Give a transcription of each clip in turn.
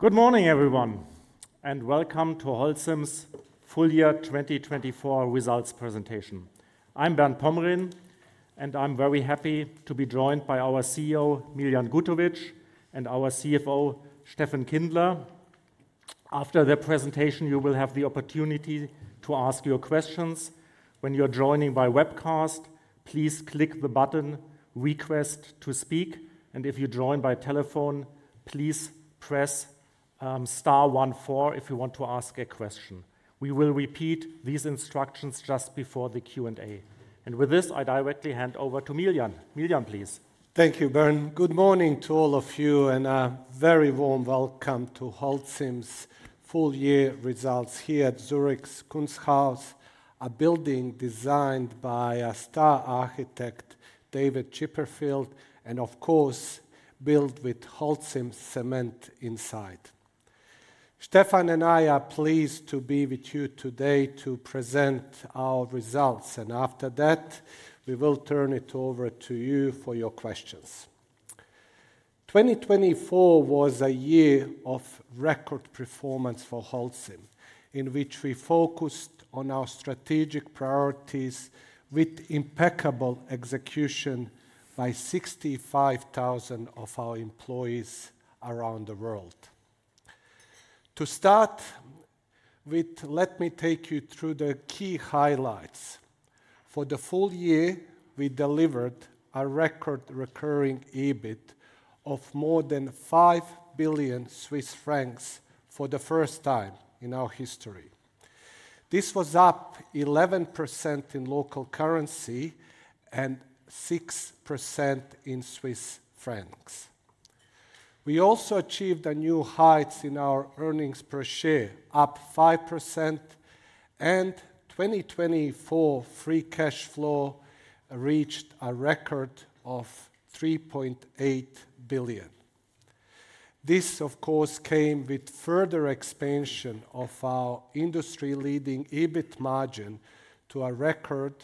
Good morning, everyone, and welcome to Holcim's full year 2024 results presentation. I'm Bernd Pomrehn, and I'm very happy to be joined by our CEO, Miljan Gutovic, and our CFO, Steffen Kindler. After the presentation, you will have the opportunity to ask your questions. When you're joining by webcast, please click the button "Request to Speak," and if you join by telephone, please press star one four if you want to ask a question. We will repeat these instructions just before the Q&A. And with this, I directly hand over to Miljan. Miljan, please. Thank you, Bernd. Good morning to all of you, and a very warm welcome to Holcim's full-year results here at Zurich's Kunsthaus, a building designed by a star architect, David Chipperfield, and of course, built with Holcim cement inside. Steffen and I are pleased to be with you today to present our results, and after that, we will turn it over to you for your questions. 2024 was a year of record performance for Holcim, in which we focused on our strategic priorities with impeccable execution by 65,000 of our employees around the world. To start with, let me take you through the key highlights. For the full year, we delivered a record recurring EBIT of more than 5 billion Swiss francs for the first time in our history. This was up 11% in local currency and 6% in Swiss francs. We also achieved new heights in our earnings per share, up 5%, and 2024 free cash flow reached a record of 3.8 billion. This, of course, came with further expansion of our industry-leading EBIT margin to a record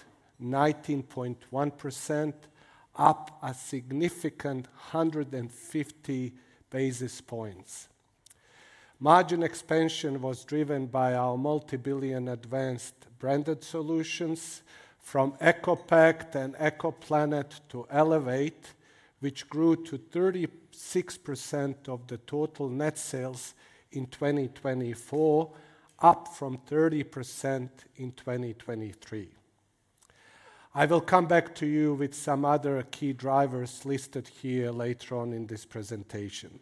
19.1%, up a significant 150 basis points. Margin expansion was driven by our multi-billion advanced branded solutions from ECOPact and ECOPlanet to Elevate, which grew to 36% of the total net sales in 2024, up from 30% in 2023. I will come back to you with some other key drivers listed here later on in this presentation.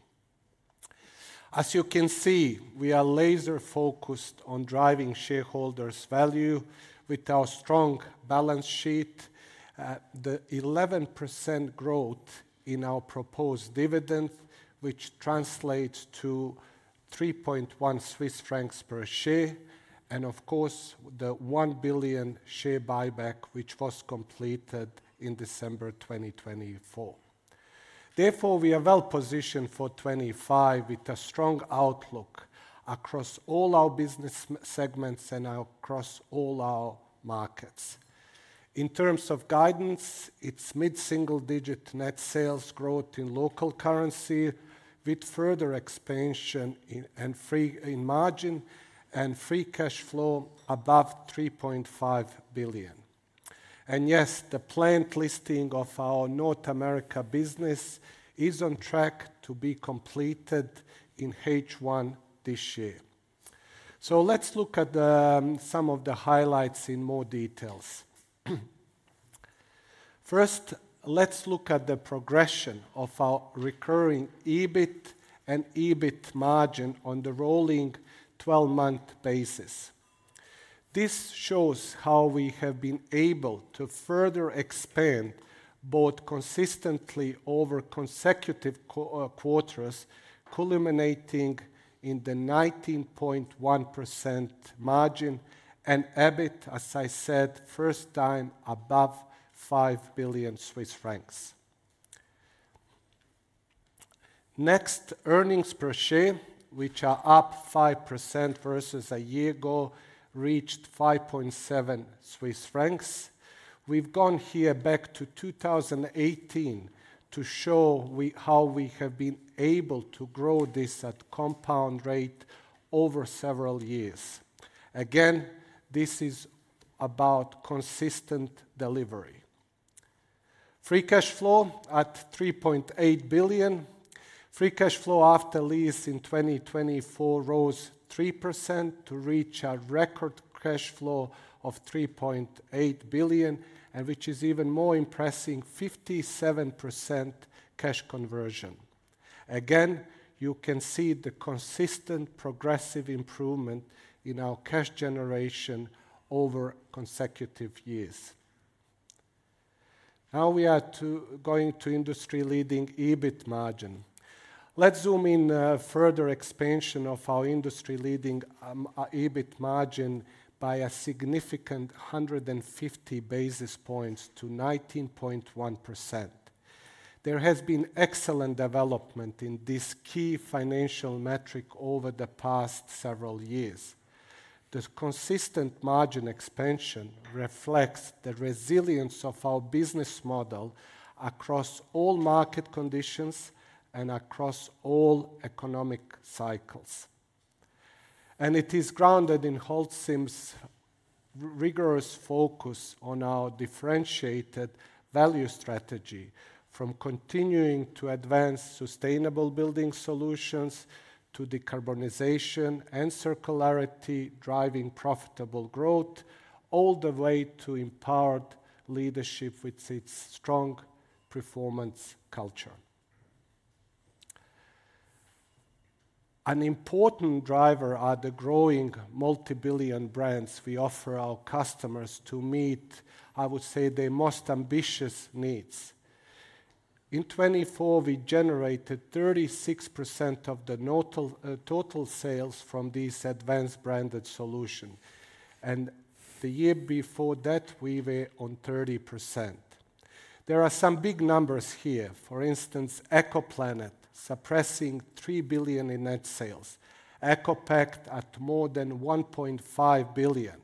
As you can see, we are laser-focused on driving shareholders' value with our strong balance sheet, the 11% growth in our proposed dividend, which translates to 3.1 Swiss francs per share, and of course, the 1 billion share buyback, which was completed in December 2024. Therefore, we are well positioned for 2025 with a strong outlook across all our business segments and across all our markets. In terms of guidance, it's mid-single-digit net sales growth in local currency with further expansion in margin and free cash flow above 3.5 billion. And yes, the planned listing of our North America business is on track to be completed in H1 this year. So let's look at some of the highlights in more details. First, let's look at the progression of our recurring EBIT and EBIT margin on the rolling 12-month basis. This shows how we have been able to further expand both consistently over consecutive quarters, culminating in the 19.1% margin and EBIT, as I said, first time above 5 billion Swiss francs. Next, earnings per share, which are up 5% versus a year ago, reached 5.7 Swiss francs. We've gone here back to 2018 to show how we have been able to grow this at a compound rate over several years. Again, this is about consistent delivery. Free cash flow at 3.8 billion. Free cash flow after lease in 2024 rose 3% to reach a record cash flow of 3.8 billion, which is even more impressive, 57% cash conversion. Again, you can see the consistent progressive improvement in our cash generation over consecutive years. Now we are going to industry-leading EBIT margin. Let's zoom in further expansion of our industry-leading EBIT margin by a significant 150 basis points to 19.1%. There has been excellent development in this key financial metric over the past several years. The consistent margin expansion reflects the resilience of our business model across all market conditions and across all economic cycles. It is grounded in Holcim's rigorous focus on our differentiated value strategy, from continuing to advance sustainable building solutions to decarbonization and circularity driving profitable growth, all the way to empowered leadership with its strong performance culture. An important driver are the growing multi-billion brands we offer our customers to meet, I would say, their most ambitious needs. In 2024, we generated 36% of the total sales from these advanced branded solutions, and the year before that, we were on 30%. There are some big numbers here. For instance, ECOPlanet surpassing 3 billion in net sales, ECOPact at more than 1.5 billion,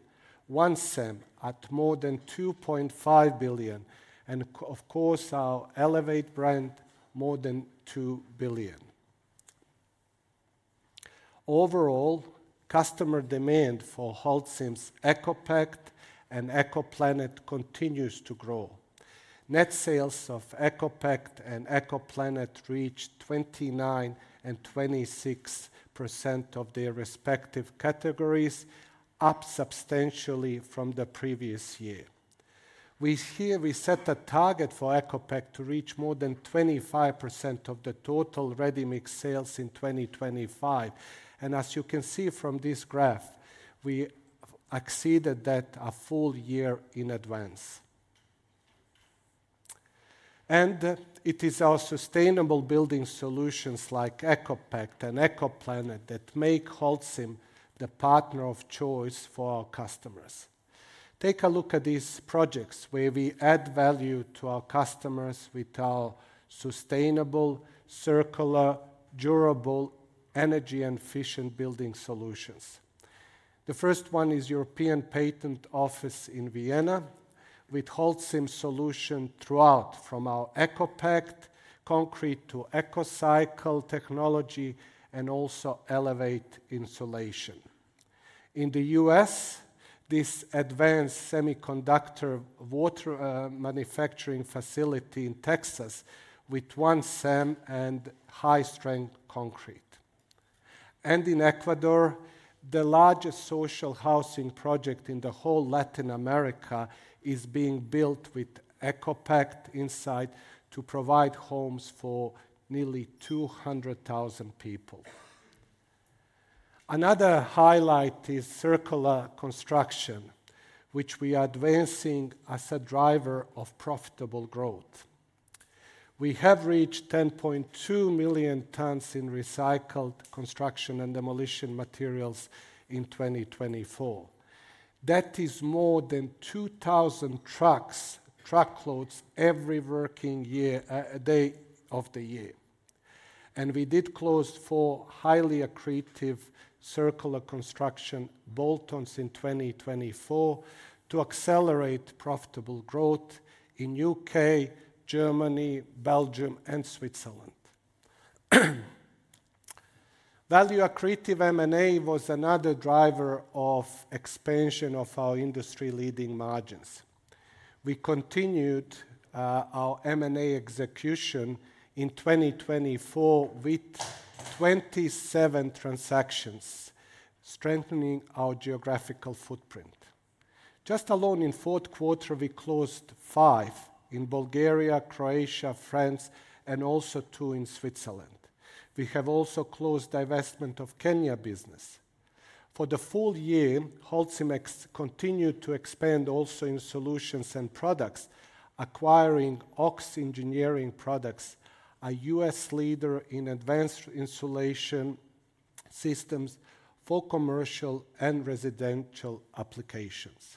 OneCem at more than 2.5 billion, and of course, our Elevate brand, more than 2 billion. Overall, customer demand for Holcim's ECOPact and ECOPlanet continues to grow. Net sales of ECOPact and ECOPlanet reached 29% and 26% of their respective categories, up substantially from the previous year. We set a target for ECOPact to reach more than 25% of the total ready-mix sales in 2025, and as you can see from this graph, we exceeded that a full year in advance, and it is our sustainable building solutions like ECOPact and ECOPlanet that make Holcim the partner of choice for our customers. Take a look at these projects where we add value to our customers with our sustainable, circular, durable, energy, and efficient building solutions. The first one is European Patent Office in Vienna with Holcim solution throughout, from our ECOPact concrete to ECOCycle technology, and also Elevate insulation. In the U.S., this advanced semiconductor wafer manufacturing facility in Texas with OneCem and high-strength concrete, and in Ecuador, the largest social housing project in the whole Latin America is being built with ECOPact inside to provide homes for nearly 200,000 people. Another highlight is circular construction, which we are advancing as a driver of profitable growth. We have reached 10.2 million tons in recycled construction and demolition materials in 2024. That is more than 2,000 trucks' truckloads every working day of the year, and we did close four highly accretive circular construction bolt-ons in 2024 to accelerate profitable growth in the U.K., Germany, Belgium, and Switzerland. Value-accretive M&A was another driver of expansion of our industry-leading margins. We continued our M&A execution in 2024 with 27 transactions, strengthening our geographical footprint. Just alone in the fourth quarter, we closed five in Bulgaria, Croatia, France, and also two in Switzerland. We have also closed divestment of Kenya business. For the full year, Holcim continued to expand also in solutions and products, acquiring OX Engineered Products, a U.S. leader in advanced insulation systems for commercial and residential applications.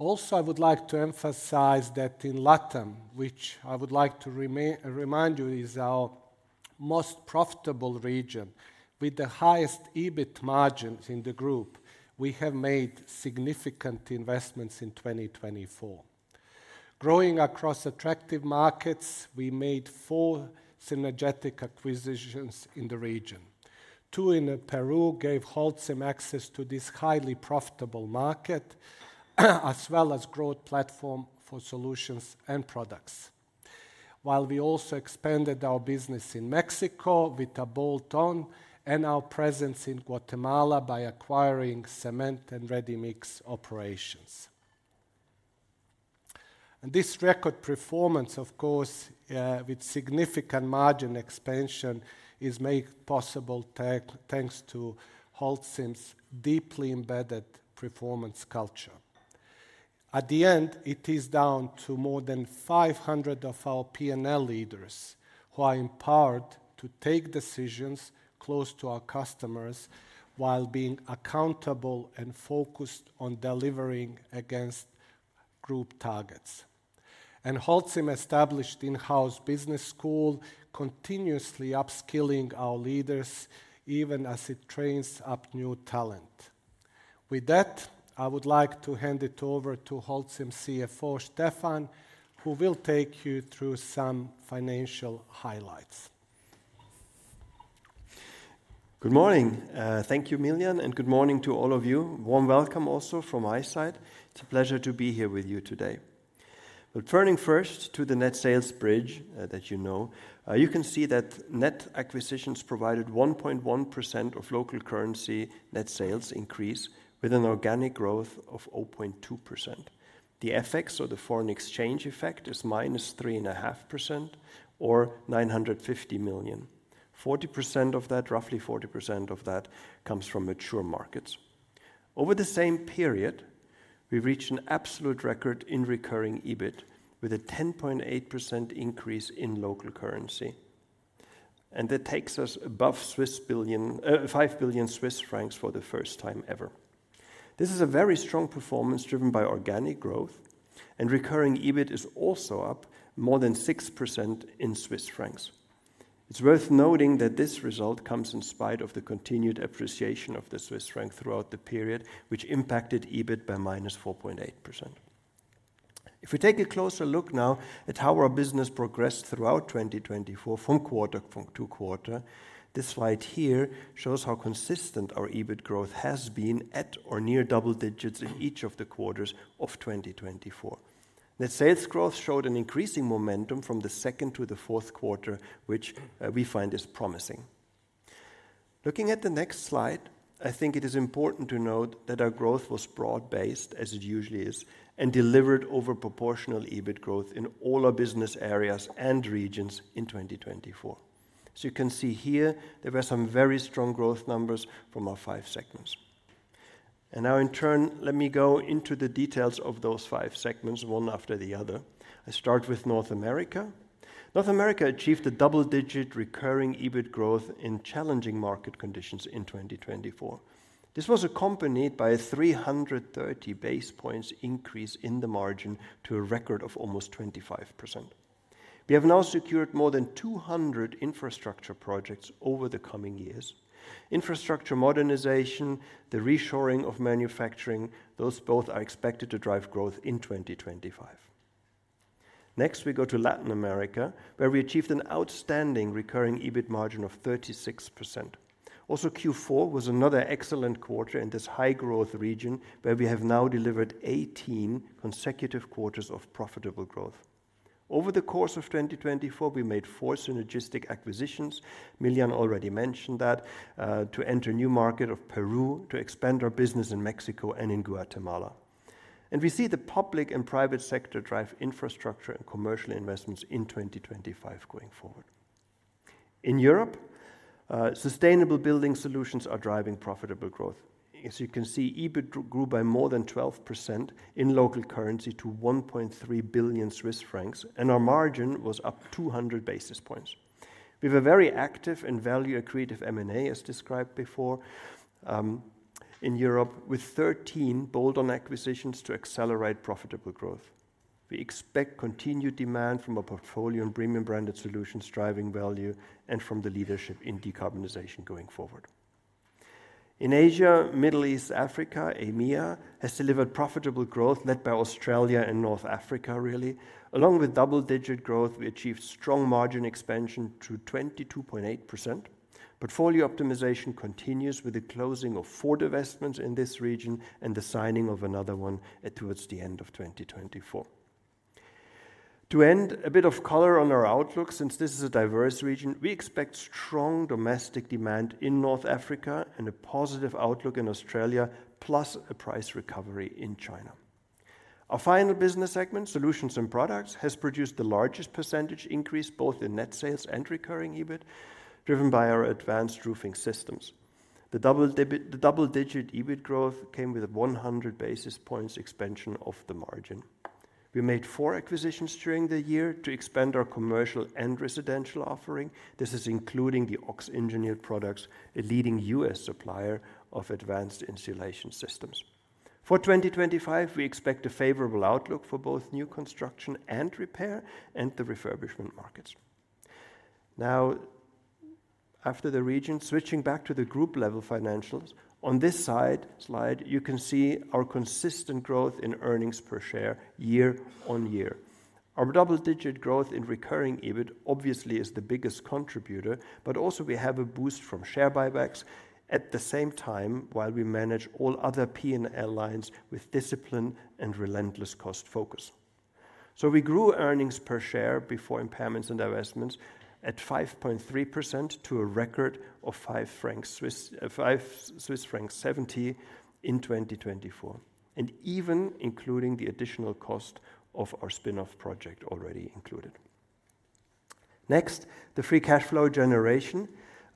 Also, I would like to emphasize that in LATAM, which I would like to remind you is our most profitable region with the highest EBIT margins in the group, we have made significant investments in 2024. Growing across attractive markets, we made four synergetic acquisitions in the region. Two in Peru gave Holcim access to this highly profitable market, as well as growth platform for solutions and products. While we also expanded our business in Mexico with a bolt-on and our presence in Guatemala by acquiring cement and ready-mix operations, and this record performance, of course, with significant margin expansion is made possible thanks to Holcim's deeply embedded performance culture. In the end, it is down to more than 500 of our P&L leaders who are empowered to take decisions close to our customers while being accountable and focused on delivering against group targets. Holcim established in-house business school, continuously upskilling our leaders, even as it trains up new talent. With that, I would like to hand it over to Holcim CFO, Steffen, who will take you through some financial highlights. Good morning. Thank you, Miljan, and good morning to all of you. Warm welcome also from my side. It's a pleasure to be here with you today. Well, turning first to the net sales bridge that you know, you can see that net acquisitions provided 1.1% of local currency net sales increase with an organic growth of 0.2%. The FX, or the foreign exchange effect, is - 3.5%, or 950 million. Roughly 40% of that comes from mature markets. Over the same period, we reached an absolute record in recurring EBIT with a 10.8% increase in local currency. And that takes us above 5 billion Swiss francs for the first time ever. This is a very strong performance driven by organic growth, and recurring EBIT is also up more than 6% in Swiss francs. It's worth noting that this result comes in spite of the continued appreciation of the Swiss franc throughout the period, which impacted EBIT by -4.8%. If we take a closer look now at how our business progressed throughout 2024, from quarter to quarter, this slide here shows how consistent our EBIT growth has been at or near double digits in each of the quarters of 2024. Net sales growth showed an increasing momentum from the second to the fourth quarter, which we find is promising. Looking at the next slide, I think it is important to note that our growth was broad-based, as it usually is, and delivered over proportional EBIT growth in all our business areas and regions in 2024. You can see here there were some very strong growth numbers from our five segments. Now, in turn, let me go into the details of those five segments, one after the other. I start with North America. North America achieved a double-digit recurring EBIT growth in challenging market conditions in 2024. This was accompanied by a 330 basis points increase in the margin to a record of almost 25%. We have now secured more than 200 infrastructure projects over the coming years. Infrastructure modernization, the reshoring of manufacturing, those both are expected to drive growth in 2025. Next, we go to Latin America, where we achieved an outstanding recurring EBIT margin of 36%. Also, Q4 was another excellent quarter in this high-growth region, where we have now delivered 18 consecutive quarters of profitable growth. Over the course of 2024, we made four synergistic acquisitions. Miljan already mentioned that to enter a new market of Peru, to expand our business in Mexico and in Guatemala. We see the public and private sector drive infrastructure and commercial investments in 2025 going forward. In Europe, sustainable building solutions are driving profitable growth. As you can see, EBIT grew by more than 12% in local currency to 1.3 billion Swiss francs, and our margin was up 200 basis points. We have a very active and value-accretive M&A, as described before, in Europe, with 13 bolt-on acquisitions to accelerate profitable growth. We expect continued demand from our portfolio and premium branded solutions driving value and from the leadership in decarbonization going forward. In Asia, Middle East, Africa, EMEA has delivered profitable growth led by Australia and North Africa, really. Along with double-digit growth, we achieved strong margin expansion to 22.8%. Portfolio optimization continues with the closing of four divestments in this region and the signing of another one towards the end of 2024. To end, a bit of color on our outlook. Since this is a diverse region, we expect strong domestic demand in North Africa and a positive outlook in Australia, plus a price recovery in China. Our final business segment, solutions and products, has produced the largest percentage increase both in net sales and recurring EBIT, driven by our advanced roofing systems. The double-digit EBIT growth came with a 100 basis points expansion of the margin. We made four acquisitions during the year to expand our commercial and residential offering. This is including the OX Engineered Products, a leading U.S. supplier of advanced insulation systems. For 2025, we expect a favorable outlook for both new construction and repair and the refurbishment markets. Now, after the region, switching back to the group-level financials. On this side slide, you can see our consistent growth in earnings per share year-on-year.. Our double-digit growth in recurring EBIT obviously is the biggest contributor, but also we have a boost from share buybacks at the same time while we manage all other P&L lines with discipline and relentless cost focus. So we grew earnings per share before impairments and divestments at 5.3% to a record of 5.70 in 2024, and even including the additional cost of our spinoff project already included. Next, the free cash flow generation,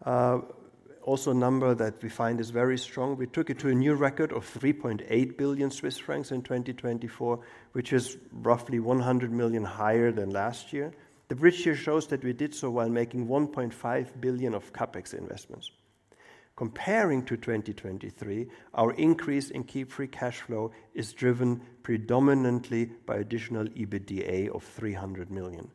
also a number that we find is very strong. We took it to a new record of 3.8 billion Swiss francs in 2024, which is roughly 100 million higher than last year. The bridge here shows that we did so while making 1.5 billion CHF of CapEx investments. Comparing to 2023, our increase in key free cash flow is driven predominantly by additional EBITDA of 300 million,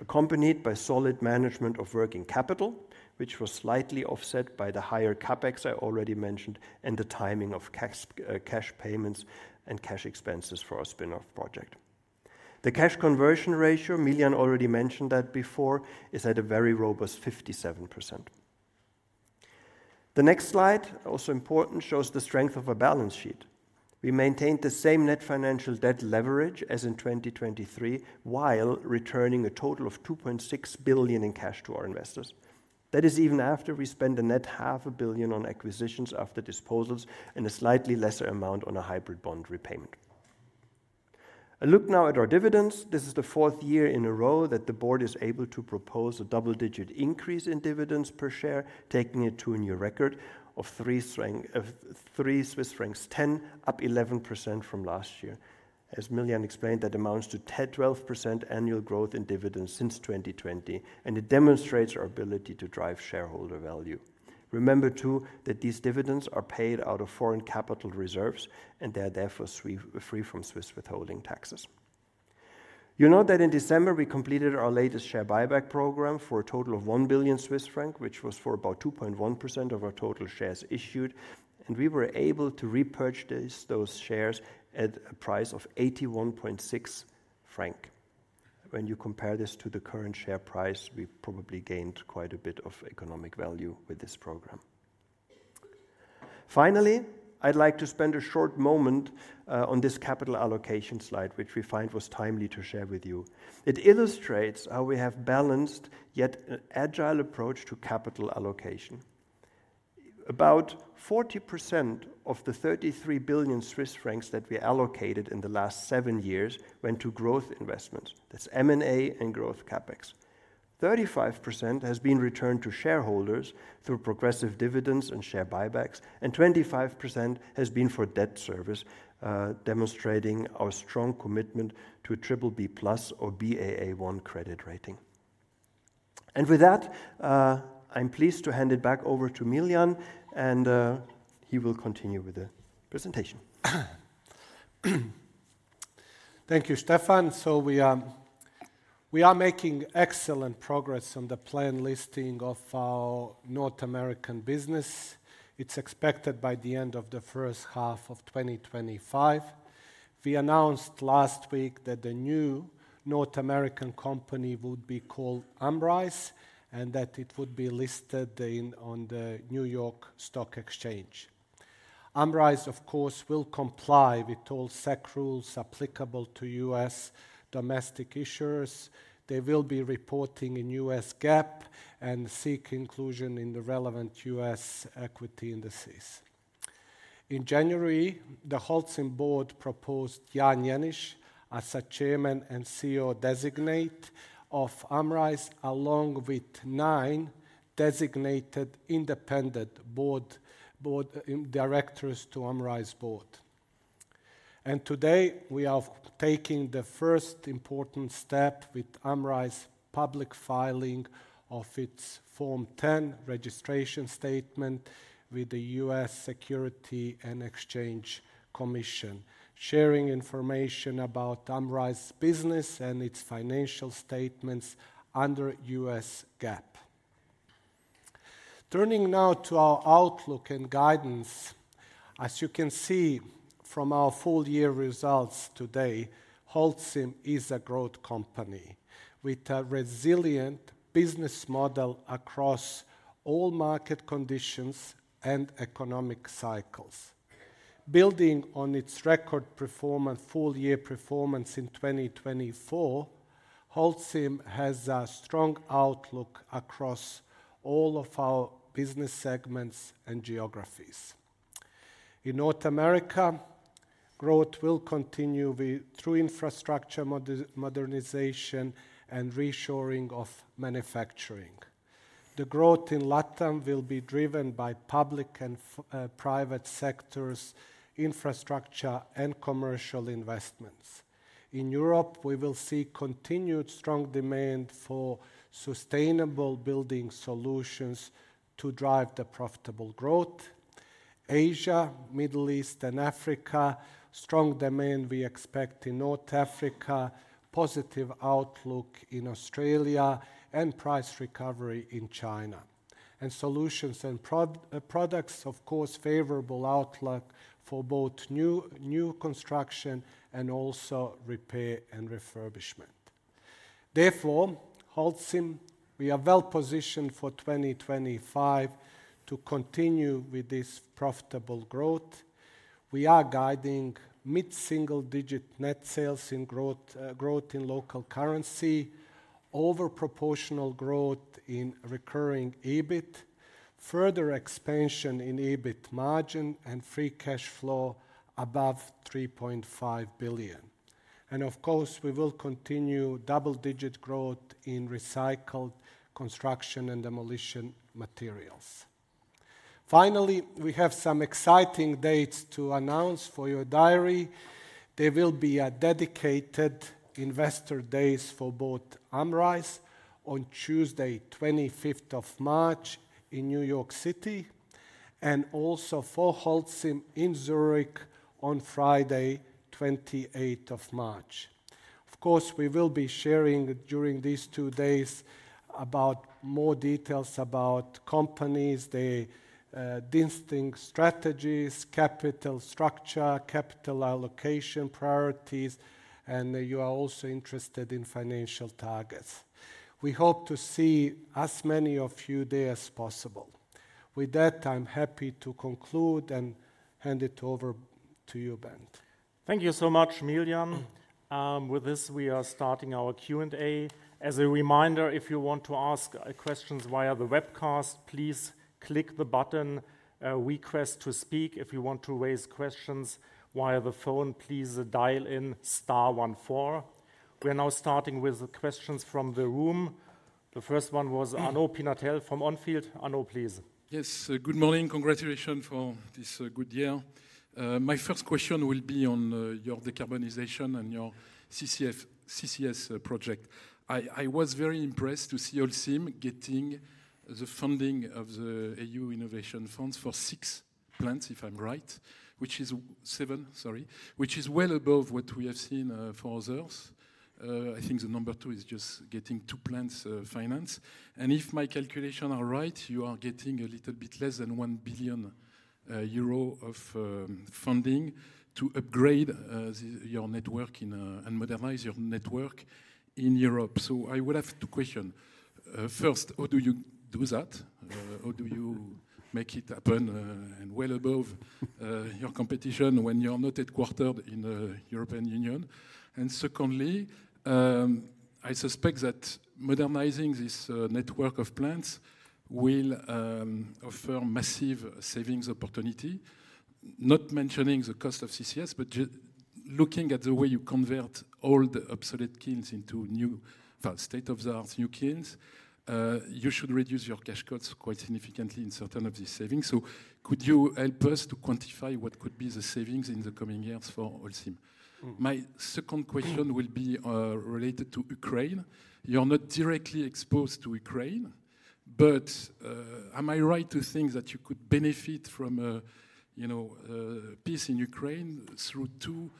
accompanied by solid management of working capital, which was slightly offset by the higher CapEx I already mentioned and the timing of cash payments and cash expenses for our spinoff project. The cash conversion ratio, Miljan already mentioned that before, is at a very robust 57%. The next slide, also important, shows the strength of our balance sheet. We maintained the same net financial debt leverage as in 2023 while returning a total of 2.6 billion in cash to our investors. That is even after we spent a net 500 million on acquisitions after disposals and a slightly lesser amount on a hybrid bond repayment. A look now at our dividends. This is the fourth year in a row that the Board is able to propose a double-digit increase in dividends per share, taking it to a new record of 3.10 Swiss francs, up 11% from last year. As Miljan explained, that amounts to 12% annual growth in dividends since 2020, and it demonstrates our ability to drive shareholder value. Remember too that these dividends are paid out of foreign capital reserves, and they are therefore free from Swiss withholding taxes. You know that in December, we completed our latest share buyback program for a total of 1 billion Swiss franc, which was for about 2.1% of our total shares issued, and we were able to repurchase those shares at a price of 81.60 franc. When you compare this to the current share price, we probably gained quite a bit of economic value with this program. Finally, I'd like to spend a short moment on this capital allocation slide, which we find was timely to share with you. It illustrates how we have balanced yet an agile approach to capital allocation. About 40% of the 33 billion Swiss francs that we allocated in the last seven years went to growth investments. That's M&A and growth CapEx. 35% has been returned to shareholders through progressive dividends and share buybacks, and 25% has been for debt service, demonstrating our strong commitment to a BBB+ or Baa1 credit rating, and with that, I'm pleased to hand it back over to Miljan, and he will continue with the presentation. Thank you, Steffen. We are making excellent progress on the planned listing of our North American business. It's expected by the end of the first half of 2025. We announced last week that the new North American company would be called Amrize and that it would be listed on the New York Stock Exchange. Amrize, of course, will comply with all SEC rules applicable to U.S. domestic issuers. They will be reporting in U.S. GAAP and seek inclusion in the relevant U.S. equity indices. In January, the Holcim Board proposed Jan Jenisch as a chairman and CEO designate of Amrize, along with nine designated independent board directors to Amrize Board. Today, we are taking the first important step with Amrize's public filing of its Form 10 registration statement with the U.S. Securities and Exchange Commission, sharing information about Amrize's business and its financial statements under U.S. GAAP. Turning now to our outlook and guidance, as you can see from our full year results today, Holcim is a growth company with a resilient business model across all market conditions and economic cycles. Building on its record performance, full year performance in 2024, Holcim has a strong outlook across all of our business segments and geographies. In North America, growth will continue through infrastructure modernization and reshoring of manufacturing. The growth in Latin will be driven by public and private sectors, infrastructure, and commercial investments. In Europe, we will see continued strong demand for sustainable building solutions to drive the profitable growth. Asia, Middle East, and Africa, strong demand we expect in North Africa, positive outlook in Australia, and price recovery in China. And solutions and products, of course, favorable outlook for both new construction and also repair and refurbishment. Therefore, Holcim, we are well positioned for 2025 to continue with this profitable growth. We are guiding mid-single-digit net sales growth in local currency, overproportional growth in recurring EBIT, further expansion in EBIT margin, and free cash flow above 3.5 billion. And of course, we will continue double-digit growth in recycled construction and demolition materials. Finally, we have some exciting dates to announce for your diary. There will be a dedicated Investor Days for both Amrize on Tuesday, 25th of March, in New York City, and also for Holcim in Zurich on Friday, 28th of March. Of course, we will be sharing during these two days more details about companies, their distinct strategies, capital structure, capital allocation priorities, and you are also interested in financial targets. We hope to see as many of you there as possible. With that, I'm happy to conclude and hand it over to you, Bernd. Thank you so much, Miljan. With this, we are starting our Q&A. As a reminder, if you want to ask questions via the webcast, please click the button request to speak. If you want to raise questions via the phone, please dial in star 14. We are now starting with questions from the room. The first one was Arnaud Pinatel from On Field. Arnaud, please. Yes, good morning. Congratulations for this good year. My first question will be on your decarbonization and your CCS project. I was very impressed to see Holcim getting the funding of the EU Innovation Funds for six plants, if I'm right, which is seven, sorry, which is well above what we have seen for others. I think the number two is just getting two plants financed. And if my calculations are right, you are getting a little bit less than 1 billion euro of funding to upgrade your network and modernize your network in Europe. So I would have two questions. First, how do you do that? How do you make it happen and well above your competition when you're not headquartered in the European Union? And secondly, I suspect that modernizing this network of plants will offer massive savings opportunity. Not mentioning the cost of CCS, but looking at the way you convert old obsolete kilns into new, state-of-the-art new kilns, you should reduce your cash costs quite significantly in certain of these savings. So could you help us to quantify what could be the savings in the coming years for Holcim? My second question will be related to Ukraine. You're not directly exposed to Ukraine, but am I right to think that you could benefit from peace in Ukraine through two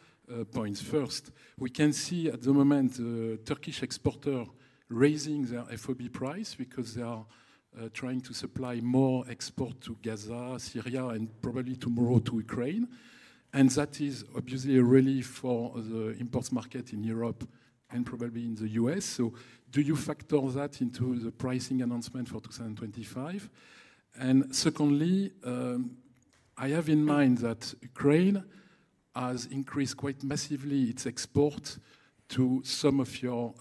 points? First, we can see at the moment the Turkish exporter raising their FOB price because they are trying to supply more export to Gaza, Syria, and probably tomorrow to Ukraine. And that is obviously a relief for the imports market in Europe and probably in the U.S. So do you factor that into the pricing announcement for 2025? And secondly, I have in mind that Ukraine has increased quite massively its export to some of your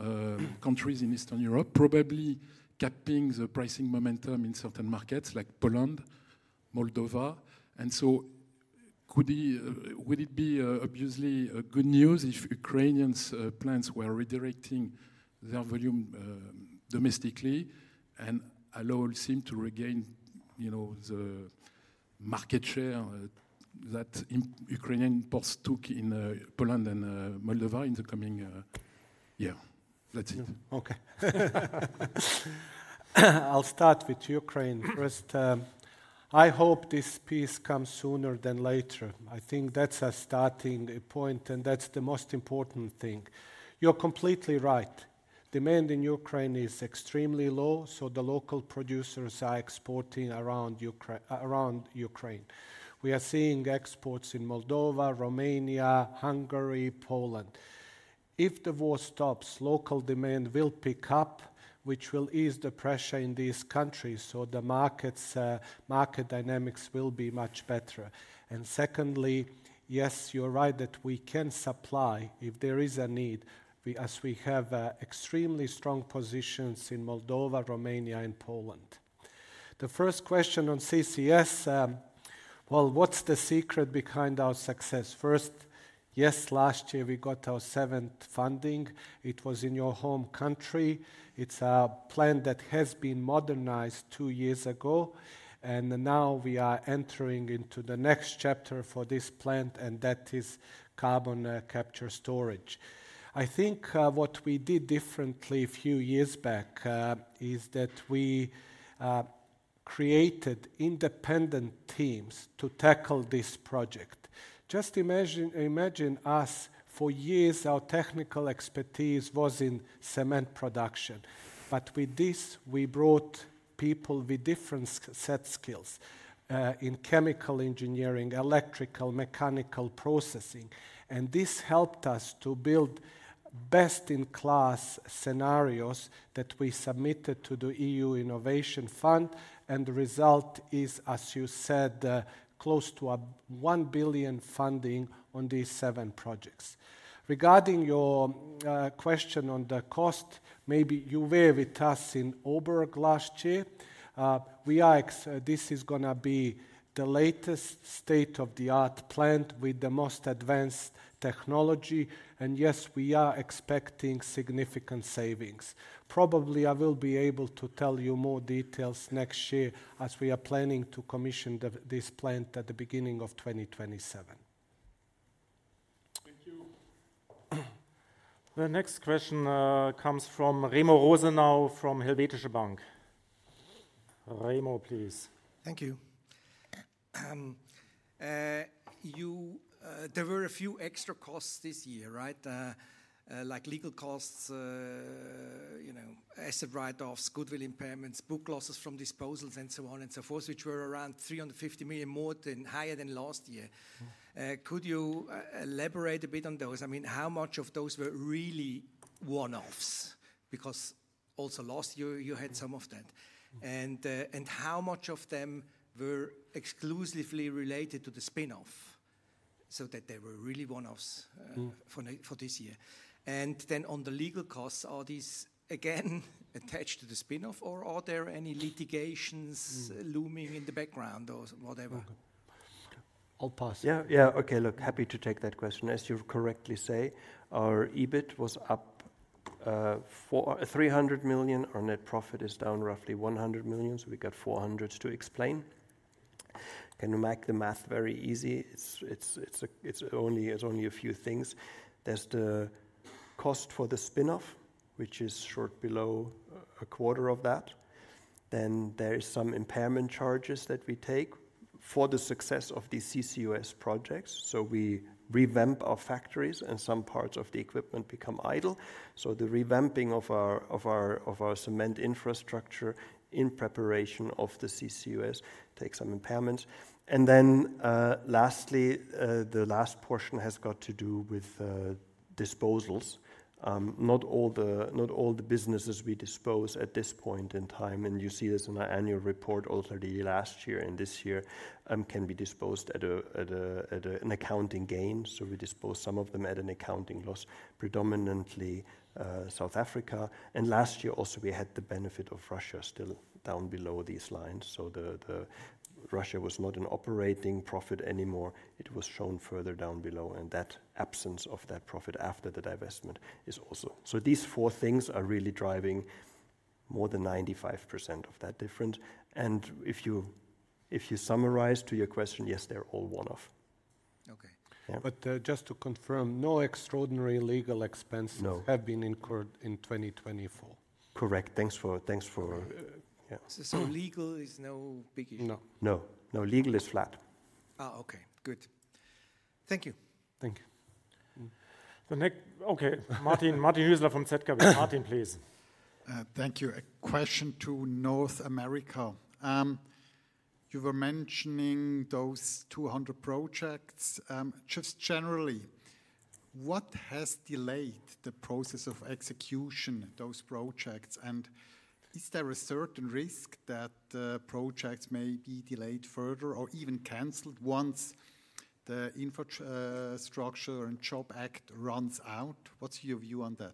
countries in Eastern Europe, probably capping the pricing momentum in certain markets like Poland, Moldova. And so would it be obviously good news if Ukrainians' plants were redirecting their volume domestically and allow Holcim to regain the market share that Ukrainian imports took in Poland and Moldova in the coming year? That's it. Okay. I'll start with Ukraine. First, I hope this peace comes sooner than later. I think that's a starting point, and that's the most important thing. You're completely right. Demand in Ukraine is extremely low, so the local producers are exporting around Ukraine. We are seeing exports in Moldova, Romania, Hungary, Poland. If the war stops, local demand will pick up, which will ease the pressure in these countries, so the market dynamics will be much better. And secondly, yes, you're right that we can supply if there is a need, as we have extremely strong positions in Moldova, Romania, and Poland. The first question on CCS, well, what's the secret behind our success? First, yes, last year we got our seventh funding. It was in your home country. It's a plant that has been modernized two years ago, and now we are entering into the next chapter for this plant, and that is carbon capture storage. I think what we did differently a few years back is that we created independent teams to tackle this project. Just imagine us for years, our technical expertise was in cement production, but with this, we brought people with different set skills in chemical engineering, electrical, mechanical processing, and this helped us to build best-in-class scenarios that we submitted to the EU Innovation Fund, and the result is, as you said, close to one billion funding on these seven projects. Regarding your question on the cost, maybe you were with us in Obourg last year. This is going to be the latest state-of-the-art plant with the most advanced technology, and yes, we are expecting significant savings. Probably I will be able to tell you more details next year as we are planning to commission this plant at the beginning of 2027. Thank you. The next question comes from Remo Rosenau from Helvetische Bank. Remo, please. Thank you. There were a few extra costs this year, right? Like legal costs, asset write-offs, goodwill impairments, book losses from disposals, and so on and so forth, which were around 350 million more, higher than last year. Could you elaborate a bit on those? I mean, how much of those were really one-offs? Because also last year you had some of that. And how much of them were exclusively related to the spinoff so that they were really one-offs for this year? And then on the legal costs, are these again attached to the spinoff, or are there any litigations looming in the background or whatever? I'll pass. Yeah, yeah. Okay, look, happy to take that question. As you correctly say, our EBIT was up 300 million, our net profit is down roughly 100 million, so we got 400 million to explain. Can you make the math very easy? It's only a few things. There's the cost for the spin-off, which is short below a quarter of that. Then there are some impairment charges that we take for the success of these CCUS projects. So we revamp our factories, and some parts of the equipment become idle. So the revamping of our cement infrastructure in preparation of the CCUS takes some impairments. And then lastly, the last portion has got to do with disposals. Not all the businesses we dispose at this point in time, and you see this in our annual report, also last year and this year, can be disposed at an accounting gain. We dispose some of them at an accounting loss, predominantly South Africa. Last year also, we had the benefit of Russia still down below these lines. Russia was not an operating profit anymore. It was shown further down below, and that absence of that profit after the divestment is also. These four things are really driving more than 95% of that difference. If you summarize to your question, yes, they're all one-off. Okay. But just to confirm, no extraordinary legal expenses have been incurred in 2024? Correct. Thanks for. Legal is no big issue? No, no. No, legal is flat. Oh, okay. Good. Thank you. Thank you. Okay. Martin Hüsler from Zürcher Kantonalbank. Martin, please. Thank you. A question to North America. You were mentioning those 200 projects. Just generally, what has delayed the process of execution, those projects? And is there a certain risk that the projects may be delayed further or even canceled once the Infrastructure and Jobs Act runs out? What's your view on that?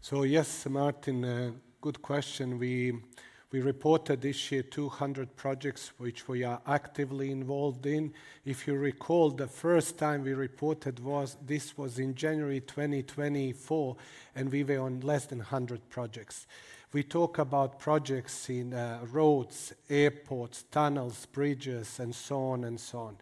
So yes, Martin, good question. We reported this year 200 projects which we are actively involved in. If you recall, the first time we reported this was in January 2024, and we were on less than 100 projects. We talk about projects in roads, airports, tunnels, bridges, and so on and so on.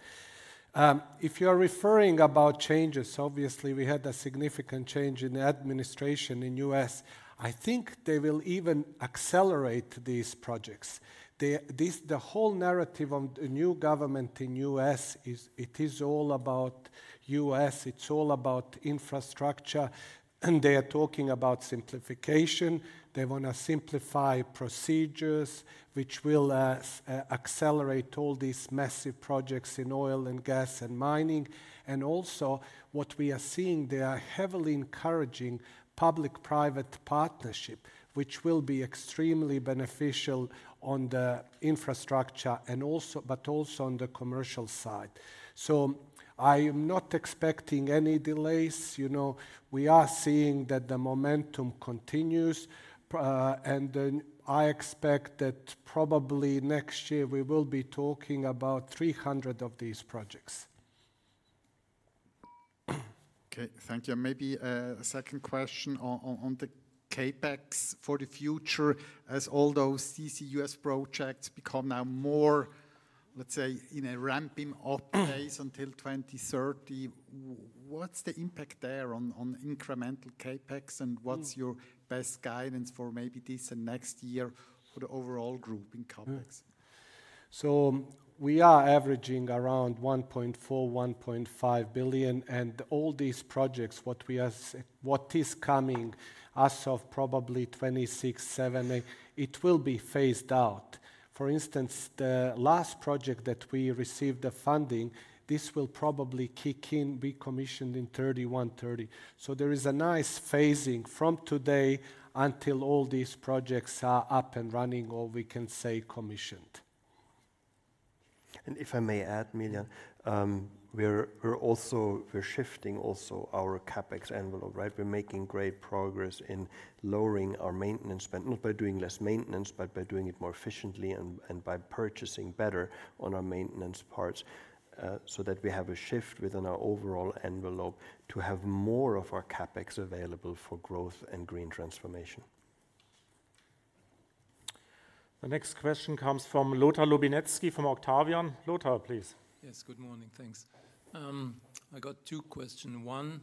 If you're referring about changes, obviously we had a significant change in the administration in the U.S. I think they will even accelerate these projects. The whole narrative of the new government in the U.S., it is all about the U.S., it's all about infrastructure, and they are talking about simplification. They want to simplify procedures, which will accelerate all these massive projects in oil and gas and mining. And also what we are seeing, they are heavily encouraging public-private partnership, which will be extremely beneficial on the infrastructure, but also on the commercial side. So I am not expecting any delays. We are seeing that the momentum continues, and I expect that probably next year we will be talking about 300 of these projects. Okay. Thank you. Maybe a second question on the CapEx for the future. As all those CCUS projects become now more, let's say, in a ramping-up phase until 2030, what's the impact there on incremental CapEx and what's your best guidance for maybe this and next year for the overall group in CapEx? So we are averaging around 1.4 billion-1.5 billion, and all these projects, what is coming as of probably 2026, 2027, it will be phased out. For instance, the last project that we received the funding, this will probably kick in, be commissioned in 2031, 2030. So there is a nice phasing from today until all these projects are up and running or we can say commissioned. And if I may add, Miljan, we're shifting also our CapEx envelope, right? We're making great progress in lowering our maintenance spend, not by doing less maintenance, but by doing it more efficiently and by purchasing better on our maintenance parts so that we have a shift within our overall envelope to have more of our CapEx available for growth and green transformation. The next question comes from Lothar Lubinetzki from Octavian. Lothar, please. Yes, good morning. Thanks. I got two questions. One,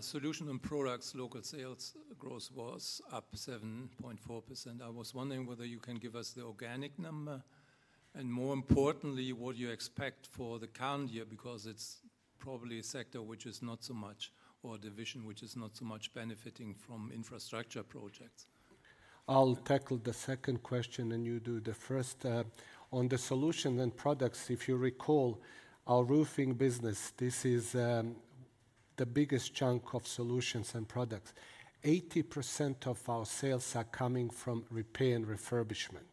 Solutions and Products, local sales growth was up 7.4%. I was wondering whether you can give us the organic number and more importantly, what you expect for the current year because it's probably a sector which is not so much or a division which is not so much benefiting from infrastructure projects? I'll tackle the second question and you do the first. On the solutions and products, if you recall, our roofing business, this is the biggest chunk of solutions and products. 80% of our sales are coming from repair and refurbishment,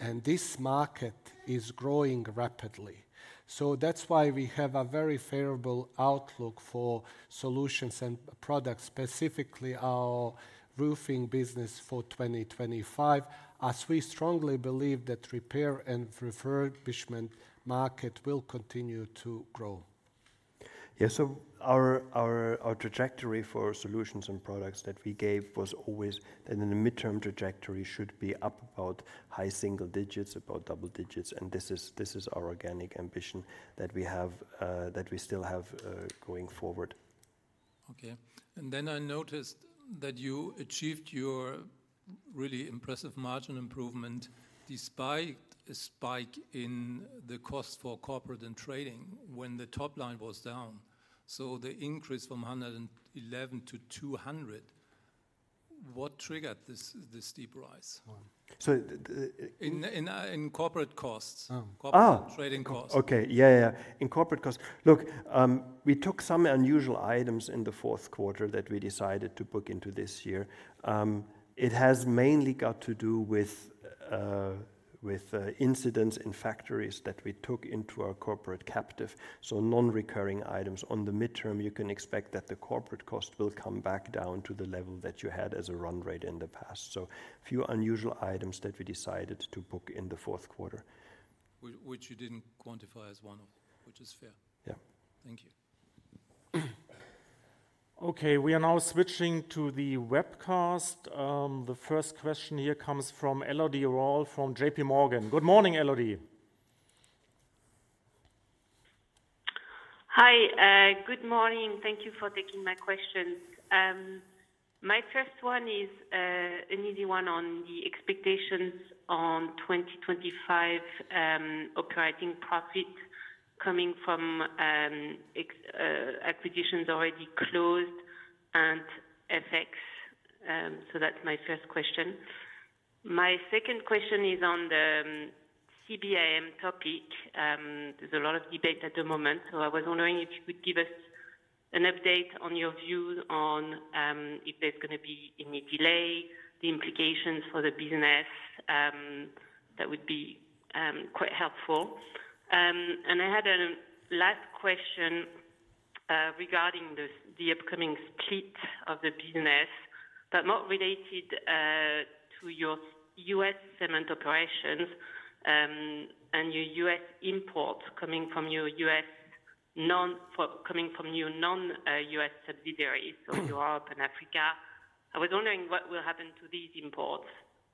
and this market is growing rapidly. So that's why we have a very favorable outlook for solutions and products, specifically our roofing business for 2025, as we strongly believe that repair and refurbishment market will continue to grow. Yeah. So our trajectory for solutions and products that we gave was always that in the midterm trajectory should be up about high single digits, about double digits, and this is our organic ambition that we still have going forward. Okay. And then I noticed that you achieved your really impressive margin improvement despite a spike in the cost for corporate and trading when the top line was down. So the increase from 111 to 200, what triggered this steep rise? So in. In corporate costs, corporate trading costs. In corporate costs. Look, we took some unusual items in the fourth quarter that we decided to book into this year. It has mainly got to do with incidents in factories that we took into our corporate captive, so non-recurring items. On the midterm, you can expect that the corporate cost will come back down to the level that you had as a run rate in the past. So a few unusual items that we decided to book in the fourth quarter. Which you didn't quantify as one-off, which is fair. Yeah. Thank you. Okay. We are now switching to the webcast. The first question here comes from Elodie Rall from JPMorgan. Good morning, Elodie. Hi. Good morning. Thank you for taking my questions. My first one is an easy one on the expectations on 2025 operating profit coming from acquisitions already closed and FX. So that's my first question. My second question is on the CBAM topic. There's a lot of debate at the moment, so I was wondering if you could give us an update on your views on if there's going to be any delay, the implications for the business. That would be quite helpful. And I had a last question regarding the upcoming split of the business, but more related to your U.S. cement operations and your U.S. imports coming from your non-U.S. subsidiaries, so Europe, and Africa. I was wondering what will happen to these imports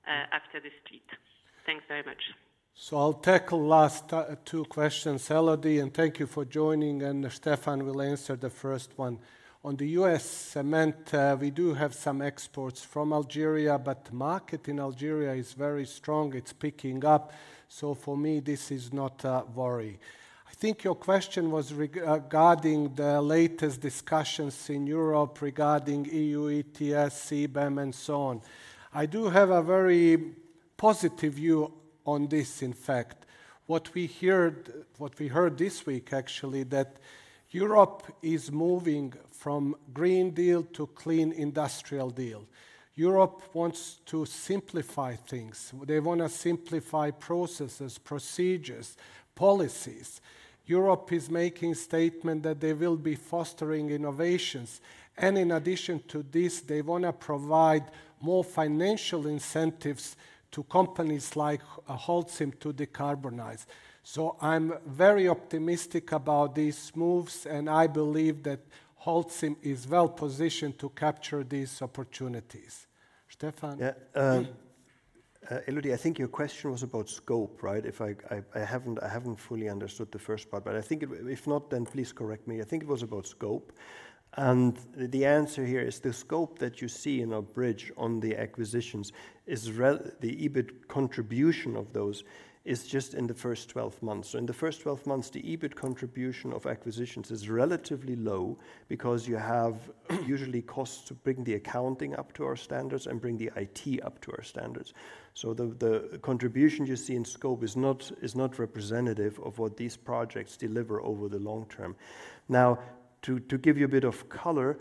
after the split. Thanks very much. I'll tackle the last two questions, Elodie, and thank you for joining. Steffen will answer the first one. On the US cement, we do have some exports from Algeria, but the market in Algeria is very strong. It's picking up. For me, this is not a worry. I think your question was regarding the latest discussions in Europe regarding EU ETS, CBAM, and so on. I do have a very positive view on this, in fact. What we heard this week, actually, that Europe is moving from Green Deal to Clean Industrial Deal. Europe wants to simplify things. They want to simplify processes, procedures, policies. Europe is making a statement that they will be fostering innovations. In addition to this, they want to provide more financial incentives to companies like Holcim to decarbonize. So I'm very optimistic about these moves, and I believe that Holcim is well positioned to capture these opportunities. Steffen. Yeah. Elodie, I think your question was about scope, right? I haven't fully understood the first part, but I think if not, then please correct me. I think it was about scope. And the answer here is the scope that you see in our bridge on the acquisitions, the EBIT contribution of those is just in the first 12 months. So in the first 12 months, the EBIT contribution of acquisitions is relatively low because you have usually costs to bring the accounting up to our standards and bring the IT up to our standards. So the contribution you see in scope is not representative of what these projects deliver over the long term. Now, to give you a bit of color,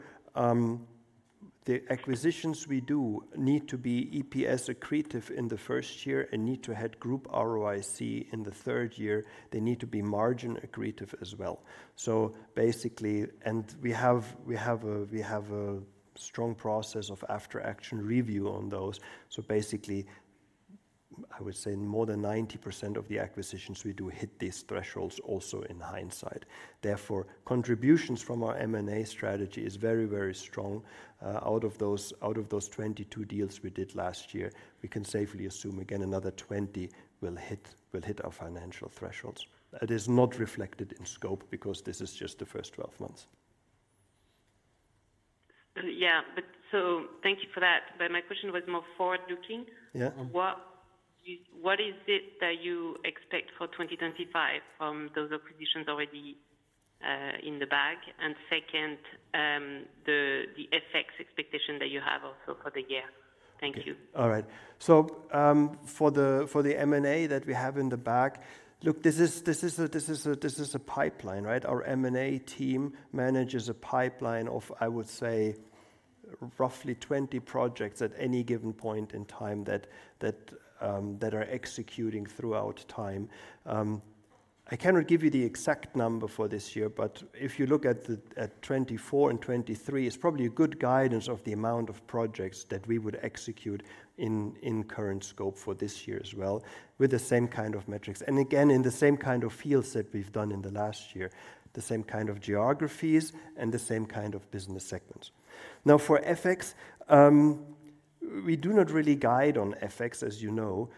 the acquisitions we do need to be EPS accretive in the first year and need to have group ROIC in the third year. They need to be margin accretive as well. So basically, and we have a strong process of after-action review on those. So basically, I would say more than 90% of the acquisitions we do hit these thresholds also in hindsight. Therefore, contributions from our M&A strategy is very, very strong. Out of those 22 deals we did last year, we can safely assume again another 20 will hit our financial thresholds. It is not reflected in scope because this is just the first 12 months. Yeah. So thank you for that. But my question was more forward-looking. What is it that you expect for 2025 from those acquisitions already in the bag? And second, the FX expectation that you have also for the year. Thank you. All right. So for the M&A that we have in the bag, look, this is a pipeline, right? Our M&A team manages a pipeline of, I would say, roughly 20 projects at any given point in time that are executing throughout time. I cannot give you the exact number for this year, but if you look at 2024 and 2023, it's probably a good guidance of the amount of projects that we would execute in current scope for this year as well with the same kind of metrics. And again, in the same kind of fields that we've done in the last year, the same kind of geographies and the same kind of business segments. Now, for FX, we do not really guide on FX, as you know,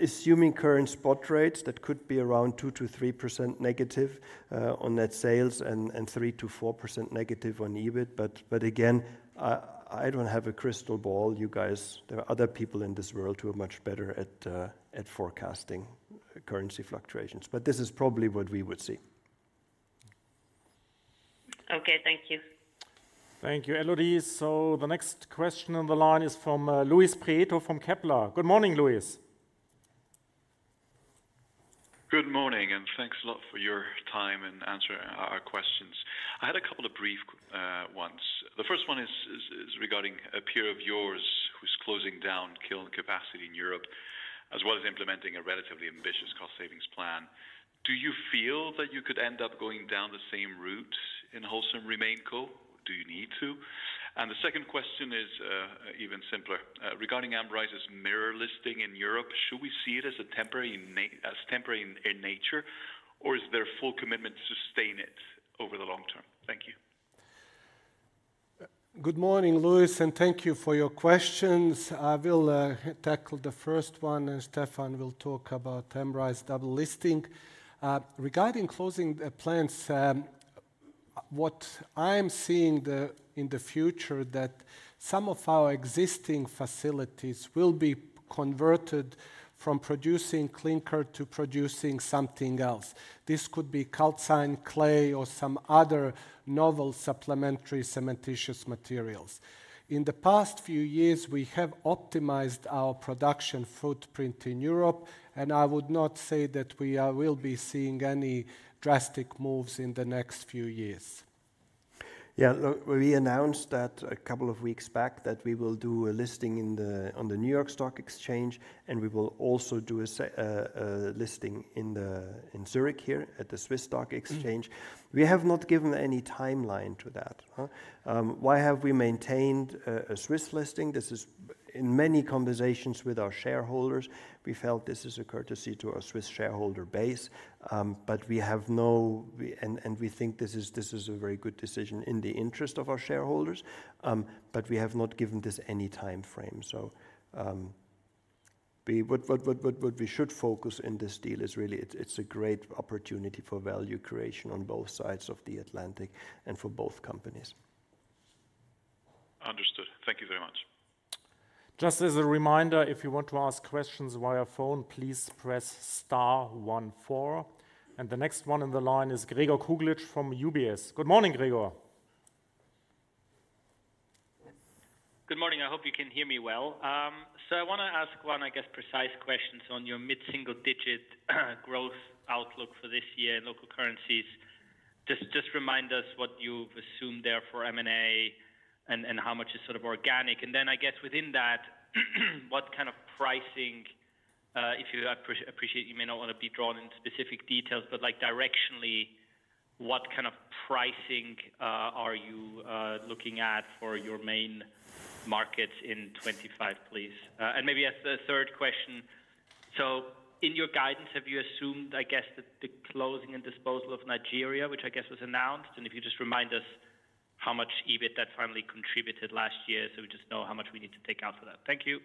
assuming current spot rates that could be around 2%-3% negative on net sales and 3%-4% negative on EBIT. But again, I don't have a crystal ball. There are other people in this world who are much better at forecasting currency fluctuations. But this is probably what we would see. Okay. Thank you. Thank you, Elodie. So the next question on the line is from Luis Prieto from Kepler. Good morning, Luis. Good morning, and thanks a lot for your time and answering our questions. I had a couple of brief ones. The first one is regarding a peer of yours who's closing down kiln capacity in Europe as well as implementing a relatively ambitious cost savings plan. Do you feel that you could end up going down the same route in Holcim in Mexico? Do you need to? And the second question is even simpler. Regarding Amrize's mirror listing in Europe, should we see it as temporary in nature, or is there full commitment to sustain it over the long term? Thank you. Good morning, Luis, and thank you for your questions. I will tackle the first one, and Steffen will talk about Amrize double listing. Regarding closing plans, what I am seeing in the future is that some of our existing facilities will be converted from producing clinker to producing something else. This could be calcined clay, or some other novel supplementary cementitious materials. In the past few years, we have optimized our production footprint in Europe, and I would not say that we will be seeing any drastic moves in the next few years. Yeah. Look, we announced that a couple of weeks back that we will do a listing on the New York Stock Exchange, and we will also do a listing in Zurich here at the Swiss Stock Exchange. We have not given any timeline to that. Why have we maintained a Swiss listing? This is in many conversations with our shareholders. We felt this is a courtesy to our Swiss shareholder base, but we have no, and we think this is a very good decision in the interest of our shareholders, but we have not given this any timeframe. So what we should focus on in this deal is really it's a great opportunity for value creation on both sides of the Atlantic and for both companies. Understood. Thank you very much. Just as a reminder, if you want to ask questions via phone, please press star 14. The next one on the line is Gregor Kuglitsch from UBS. Good morning, Gregor. Good morning. I hope you can hear me well. So I want to ask one, I guess, precise question on your mid-single-digit growth outlook for this year in local currencies. Just remind us what you've assumed there for M&A and how much is sort of organic. And then, I guess, within that, what kind of pricing I appreciate you may not want to be drawn into specific details, but directionally, what kind of pricing are you looking at for your main markets in 25, please? And maybe as the third question, so in your guidance, have you assumed, I guess, that the closing and disposal of Nigeria, which I guess was announced? And if you just remind us how much EBIT that finally contributed last year so we just know how much we need to take out for that. Thank you.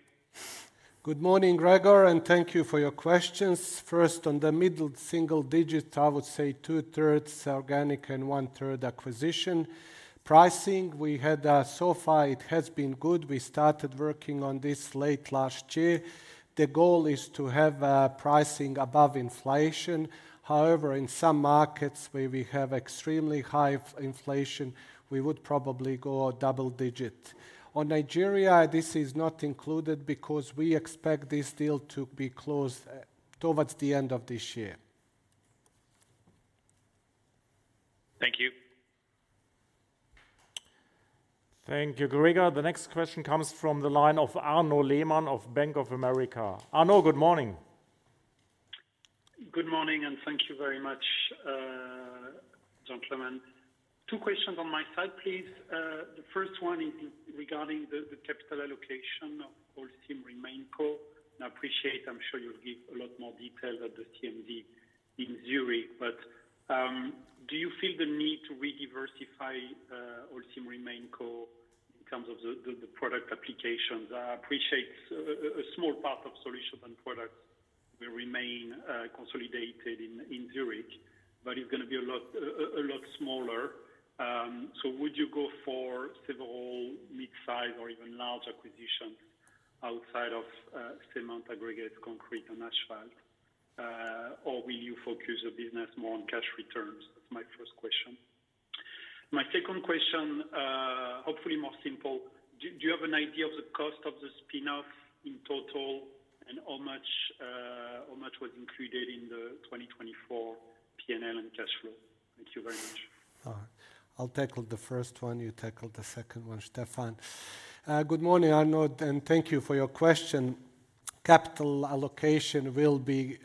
Good morning, Gregor, and thank you for your questions. First, on the middle single digit, I would say 2/3 organic and 1/3 acquisition pricing. We had so far, it has been good. We started working on this late last year. The goal is to have pricing above inflation. However, in some markets where we have extremely high inflation, we would probably go double digit. On Nigeria, this is not included because we expect this deal to be closed towards the end of this year. Thank you. Thank you, Gregor. The next question comes from the line of Arnaud Lehmann of Bank of America. Arnaud, good morning. Good morning, and thank you very much, gentlemen. Two questions on my side, please. The first one is regarding the capital allocation of Holcim remaining co., and I appreciate. I'm sure you'll give a lot more detail at the CMD in Zurich, but do you feel the need to rediversify Holcim remaining co. in terms of the product applications? I appreciate a small part of solutions and products will remain consolidated in Zurich, but it's going to be a lot smaller. So would you go for several mid-size or even large acquisitions outside of cement, aggregates, concrete, and asphalt, or will you focus your business more on cash returns? That's my first question. My second question, hopefully more simple, do you have an idea of the cost of the spin-off in total and how much was included in the 2024 P&L and cash flow? Thank you very much. All right. I'll tackle the first one. You tackle the second one, Steffen. Good morning, Arnaud, and thank you for your question. Capital allocation will be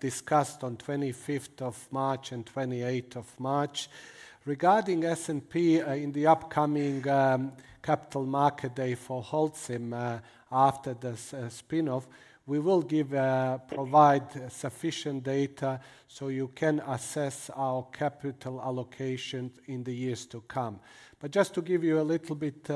discussed on 25th of March and 28th of March. Regarding S&P, in the upcoming capital market day for Holcim after the spin-off, we will provide sufficient data so you can assess our capital allocation in the years to come. But just to give you a little bit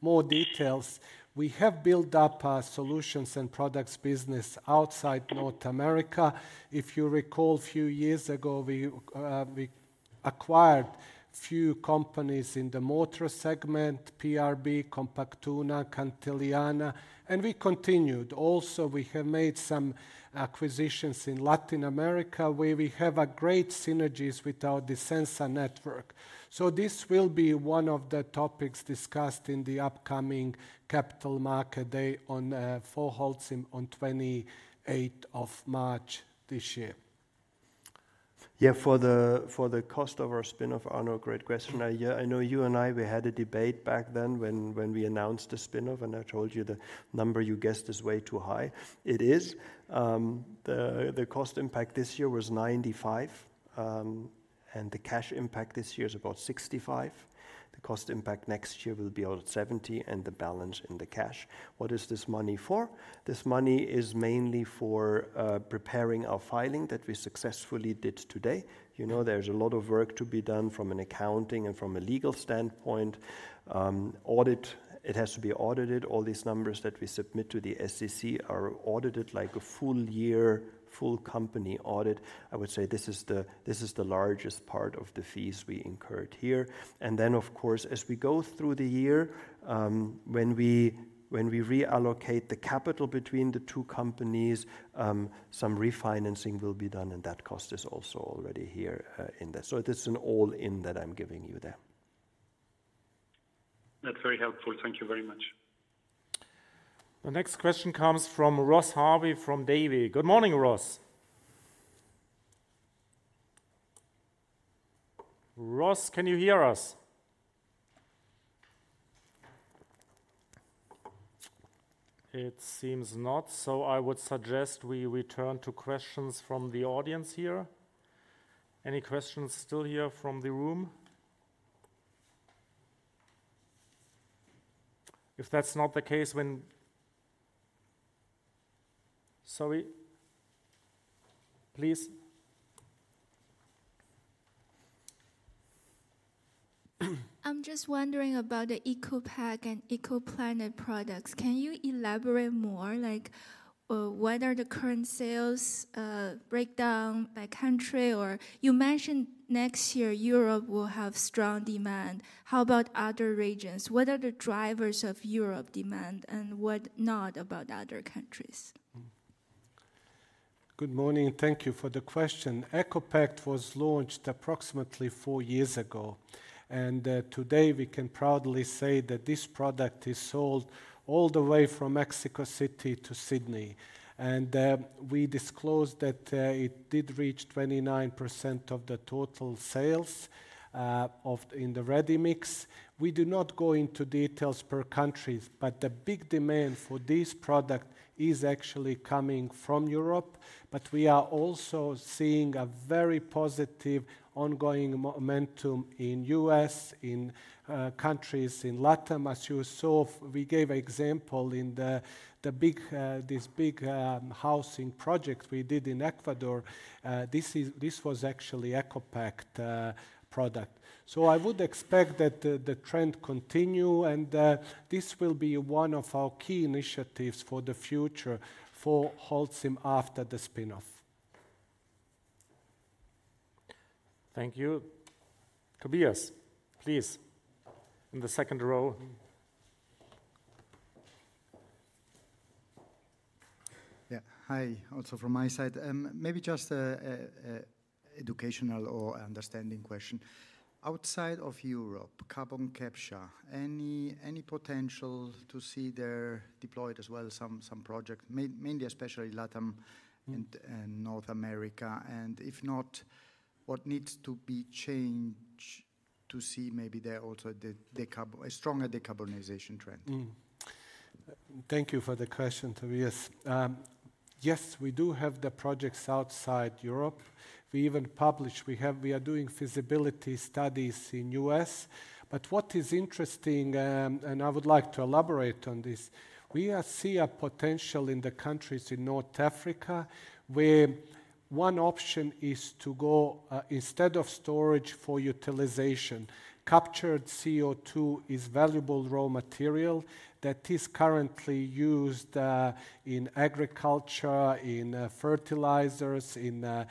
more details, we have built up our solutions and products business outside North America. If you recall, a few years ago, we acquired a few companies in the mortar segment, PRB, Compaktuna, Cantillana, and we continued. Also, we have made some acquisitions in Latin America where we have great synergies with our Disensa network. So this will be one of the topics discussed in the upcoming capital market day for Holcim on 28th of March this year. Yeah, for the cost of our spin-off, Arnaud, great question. I know you and I, we had a debate back then when we announced the spin-off, and I told you the number you guessed is way too high. It is. The cost impact this year was 95 million, and the cash impact this year is about 65 million. The cost impact next year will be about 70 million, and the balance in the cash. What is this money for? This money is mainly for preparing our filing that we successfully did today. There's a lot of work to be done from an accounting and from a legal standpoint. Audit, it has to be audited. All these numbers that we submit to the SEC are audited like a full-year, full company audit. I would say this is the largest part of the fees we incurred here. Then, of course, as we go through the year, when we reallocate the capital between the two companies, some refinancing will be done, and that cost is also already here in there. It's an all-in that I'm giving you there. That's very helpful. Thank you very much. The next question comes from Ross Harvey from Davy. Good morning, Ross. Ross, can you hear us? It seems not, so I would suggest we return to questions from the audience here. Any questions still here from the room? If that's not the case, sorry, please. I'm just wondering about the ECOPact and ECOPlanet products. Can you elaborate more? What are the current sales breakdown by country? You mentioned next year Europe will have strong demand. How about other regions? What are the drivers of Europe demand and what not about other countries? Good morning. Thank you for the question. ECOPact was launched approximately four years ago, and today we can proudly say that this product is sold all the way from Mexico City to Sydney, and we disclosed that it did reach 29% of the total sales in the ready mix. We do not go into details per country, but the big demand for this product is actually coming from Europe, but we are also seeing a very positive ongoing momentum in the U.S., in countries in LATAM, as you saw. We gave an example in this big housing project we did in Ecuador. This was actually ECOPact product, so I would expect that the trend continues, and this will be one of our key initiatives for the future for Holcim after the spin-off. Thank you. Tobias, please, in the second row. Yeah. Hi, also from my side. Maybe just an educational or understanding question. Outside of Europe, carbon capture, any potential to see there deployed as well, some projects, mainly especially LATAM and North America? And if not, what needs to be changed to see maybe there also a stronger decarbonization trend? Thank you for the question, Tobias. Yes, we do have the projects outside Europe. We even published. We are doing feasibility studies in the U.S. But what is interesting, and I would like to elaborate on this, we see a potential in the countries in North Africa where one option is to go instead of storage for utilization. Captured CO2 is valuable raw material that is currently used in agriculture, in fertilizers, in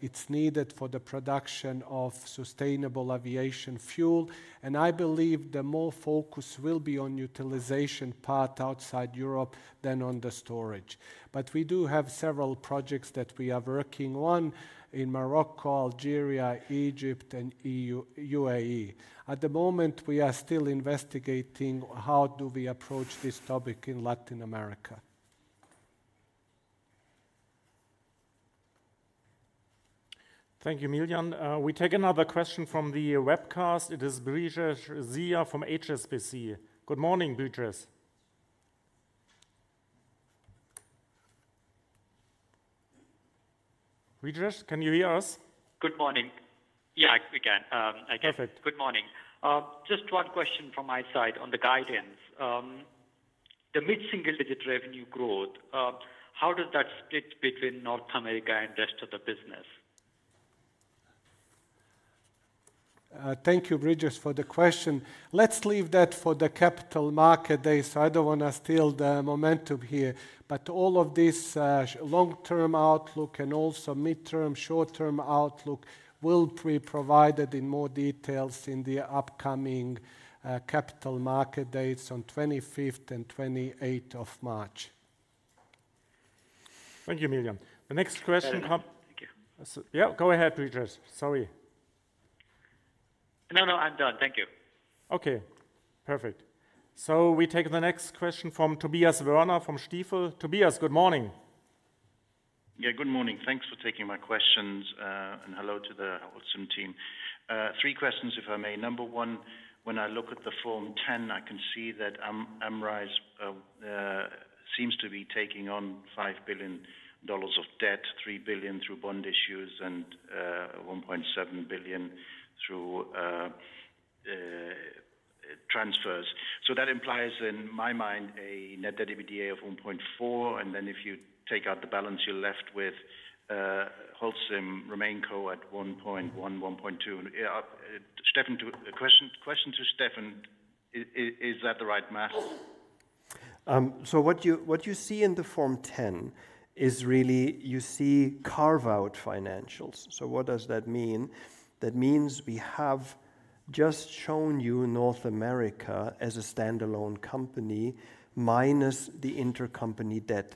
it's needed for the production of sustainable aviation fuel. I believe the more focus will be on utilization part outside Europe than on the storage. But we do have several projects that we are working on in Morocco, Algeria, Egypt, and UAE. At the moment, we are still investigating how do we approach this topic in Latin America. Thank you, Miljan. We take another question from the webcast. It is Brijesh Siya from HSBC. Good morning, Brijesh. Brijesh, can you hear us? Good morning. Yeah, we can. Perfect. Good morning. Just one question from my side on the guidance. The mid-single-digit revenue growth, how does that split between North America and the rest of the business? Thank you, Brijesh, for the question. Let's leave that for the capital market days. I don't want to steal the momentum here. But all of this long-term outlook and also mid-term, short-term outlook will be provided in more details in the upcoming capital market dates on 25th and 28th of March. Thank you, Miljan. The next question. Thank you. Yeah, go ahead, Brijesh. Sorry. No, no, I'm done. Thank you. Okay. Perfect. So we take the next question from Tobias Woerner from Stifel. Tobias, good morning. Yeah, good morning. Thanks for taking my questions, and hello to the Holcim team. Three questions, if I may. Number one, when I look at the Form 10, I can see that Amrize seems to be taking on $5 billion of debt, $3 billion through bond issues, and $1.7 billion through transfers. So that implies in my mind a net debt EBITDA of 1.4, and then if you take out the balance, you're left with Holcim remaining co at 1.1, 1.2. Question to Steffen, is that the right math? What you see in the Form 10 is really carve-out financials. What does that mean? That means we have just shown you North America as a standalone company minus the intercompany debt.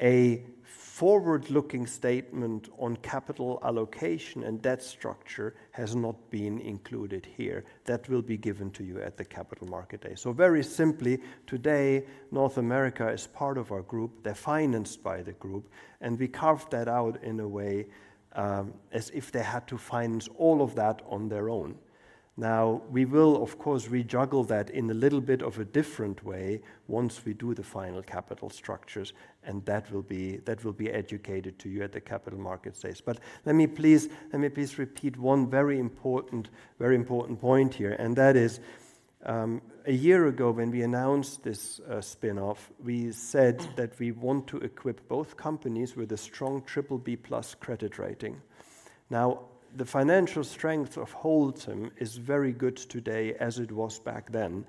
A forward-looking statement on capital allocation and debt structure has not been included here. That will be given to you at the Capital Markets Day. Very simply, today, North America is part of our group. They are financed by the group, and we carved that out in a way as if they had to finance all of that on their own. Now, we will, of course, rejuggle that in a little bit of a different way once we do the final capital structures, and that will be communicated to you at the Capital Markets Days. But let me please repeat one very important point here, and that is a year ago when we announced this spin-off, we said that we want to equip both companies with a strong BBB+ credit rating. Now, the financial strength of Holcim is very good today as it was back then,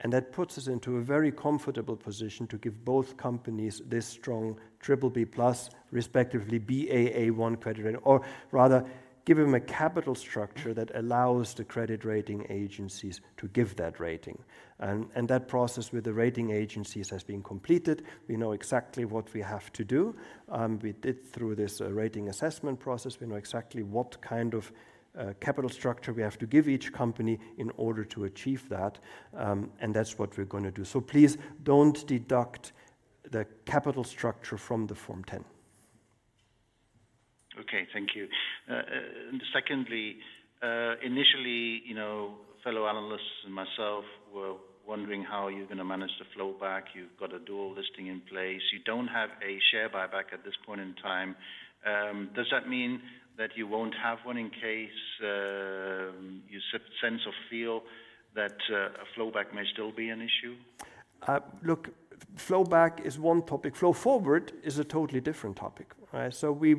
and that puts us into a very comfortable position to give both companies this strong BBB+, respectively Baa1 credit rating, or rather give them a capital structure that allows the credit rating agencies to give that rating. And that process with the rating agencies has been completed. We know exactly what we have to do. We did through this rating assessment process. We know exactly what kind of capital structure we have to give each company in order to achieve that, and that's what we're going to do. So please don't deduct the capital structure from the Form 10. Okay, thank you. Secondly, initially, fellow analysts and myself were wondering how you're going to manage the flow back. You've got a dual listing in place. You don't have a share buyback at this point in time. Does that mean that you won't have one in case you sense or feel that a flow back may still be an issue? Look, flow back is one topic. Flow forward is a totally different topic. So we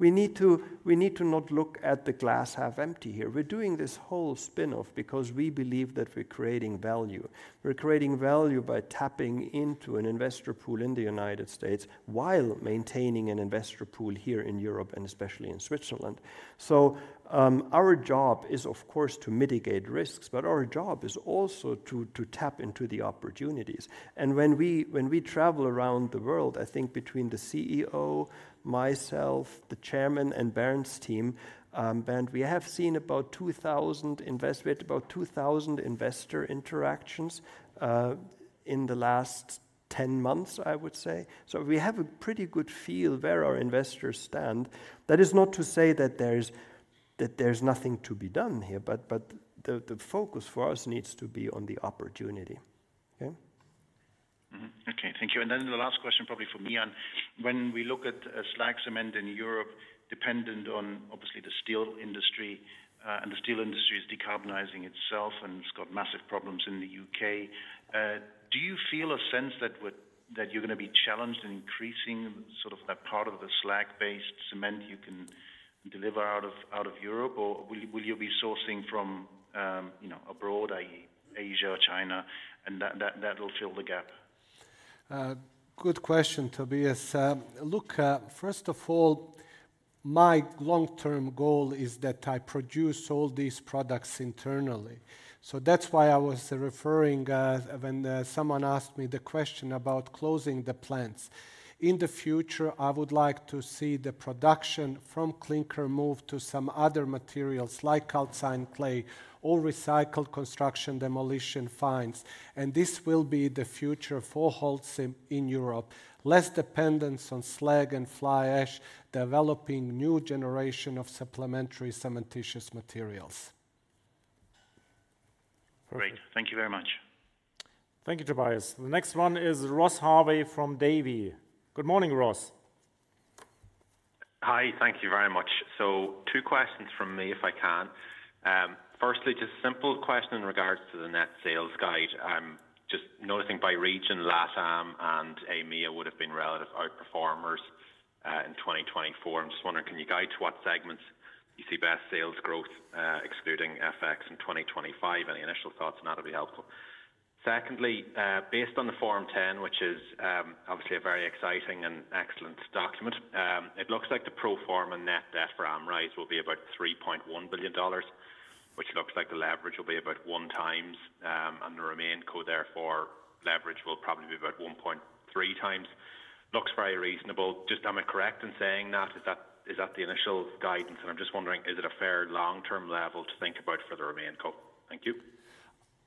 need to not look at the glass half empty here. We're doing this whole spin-off because we believe that we're creating value. We're creating value by tapping into an investor pool in the United States while maintaining an investor pool here in Europe and especially in Switzerland. So our job is, of course, to mitigate risks, but our job is also to tap into the opportunities. And when we travel around the world, I think between the CEO, myself, the chairman, and Bernd's team, we have seen about 2,000 investor interactions in the last 10 months, I would say. So we have a pretty good feel where our investors stand. That is not to say that there's nothing to be done here, but the focus for us needs to be on the opportunity. Okay? Okay, thank you. And then the last question probably for Miljan. When we look at slag cement in Europe, dependent on obviously the steel industry, and the steel industry is decarbonizing itself and it's got massive problems in the U.K., do you feel a sense that you're going to be challenged in increasing sort of that part of the slag-based cement you can deliver out of Europe? Or will you be sourcing from abroad, i.e., Asia or China, and that will fill the gap? Good question, Tobias. Look, first of all, my long-term goal is that I produce all these products internally. So that's why I was referring when someone asked me the question about closing the plants. In the future, I would like to see the production from clinker move to some other materials like calcined clay or recycled construction demolition fines. And this will be the future for Holcim in Europe: less dependence on slag and fly ash, developing new generation of supplementary cementitious materials. Great. Thank you very much. Thank you, Tobias. The next one is Ross Harvey from Davy. Good morning, Ross. Hi, thank you very much. So two questions from me if I can. Firstly, just a simple question in regards to the net sales guide. I'm just noticing by region, LATAM and EMEA would have been relative outperformers in 2024. I'm just wondering, can you guide to what segments you see best sales growth, excluding FX in 2025? Any initial thoughts on that would be helpful. Secondly, based on the Form 10, which is obviously a very exciting and excellent document, it looks like the pro forma net debt for Amrize will be about $3.1 billion, which looks like the leverage will be about 1x, and the remaining Holcim therefore leverage will probably be about 1.3x. Looks very reasonable. Just am I correct in saying that? Is that the initial guidance? And I'm just wondering, is it a fair long-term level to think about for the remaining Holcim? Thank you.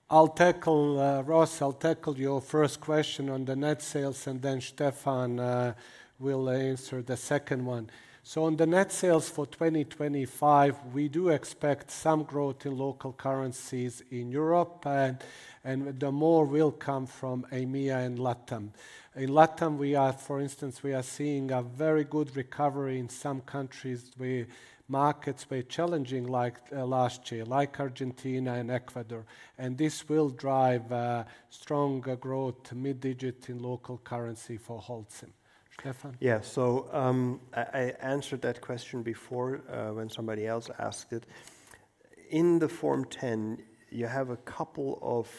I'll tackle, Ross, I'll tackle your first question on the net sales, and then Steffen will answer the second one. So on the net sales for 2025, we do expect some growth in local currencies in Europe, and the more will come from EMEA and LATAM. In LATAM, for instance, we are seeing a very good recovery in some countries where markets were challenging like last year, like Argentina and Ecuador. And this will drive strong growth, mid-digit in local currency for Holcim. Steffen? Yeah, so I answered that question before when somebody else asked it. In the Form 10, you have a couple of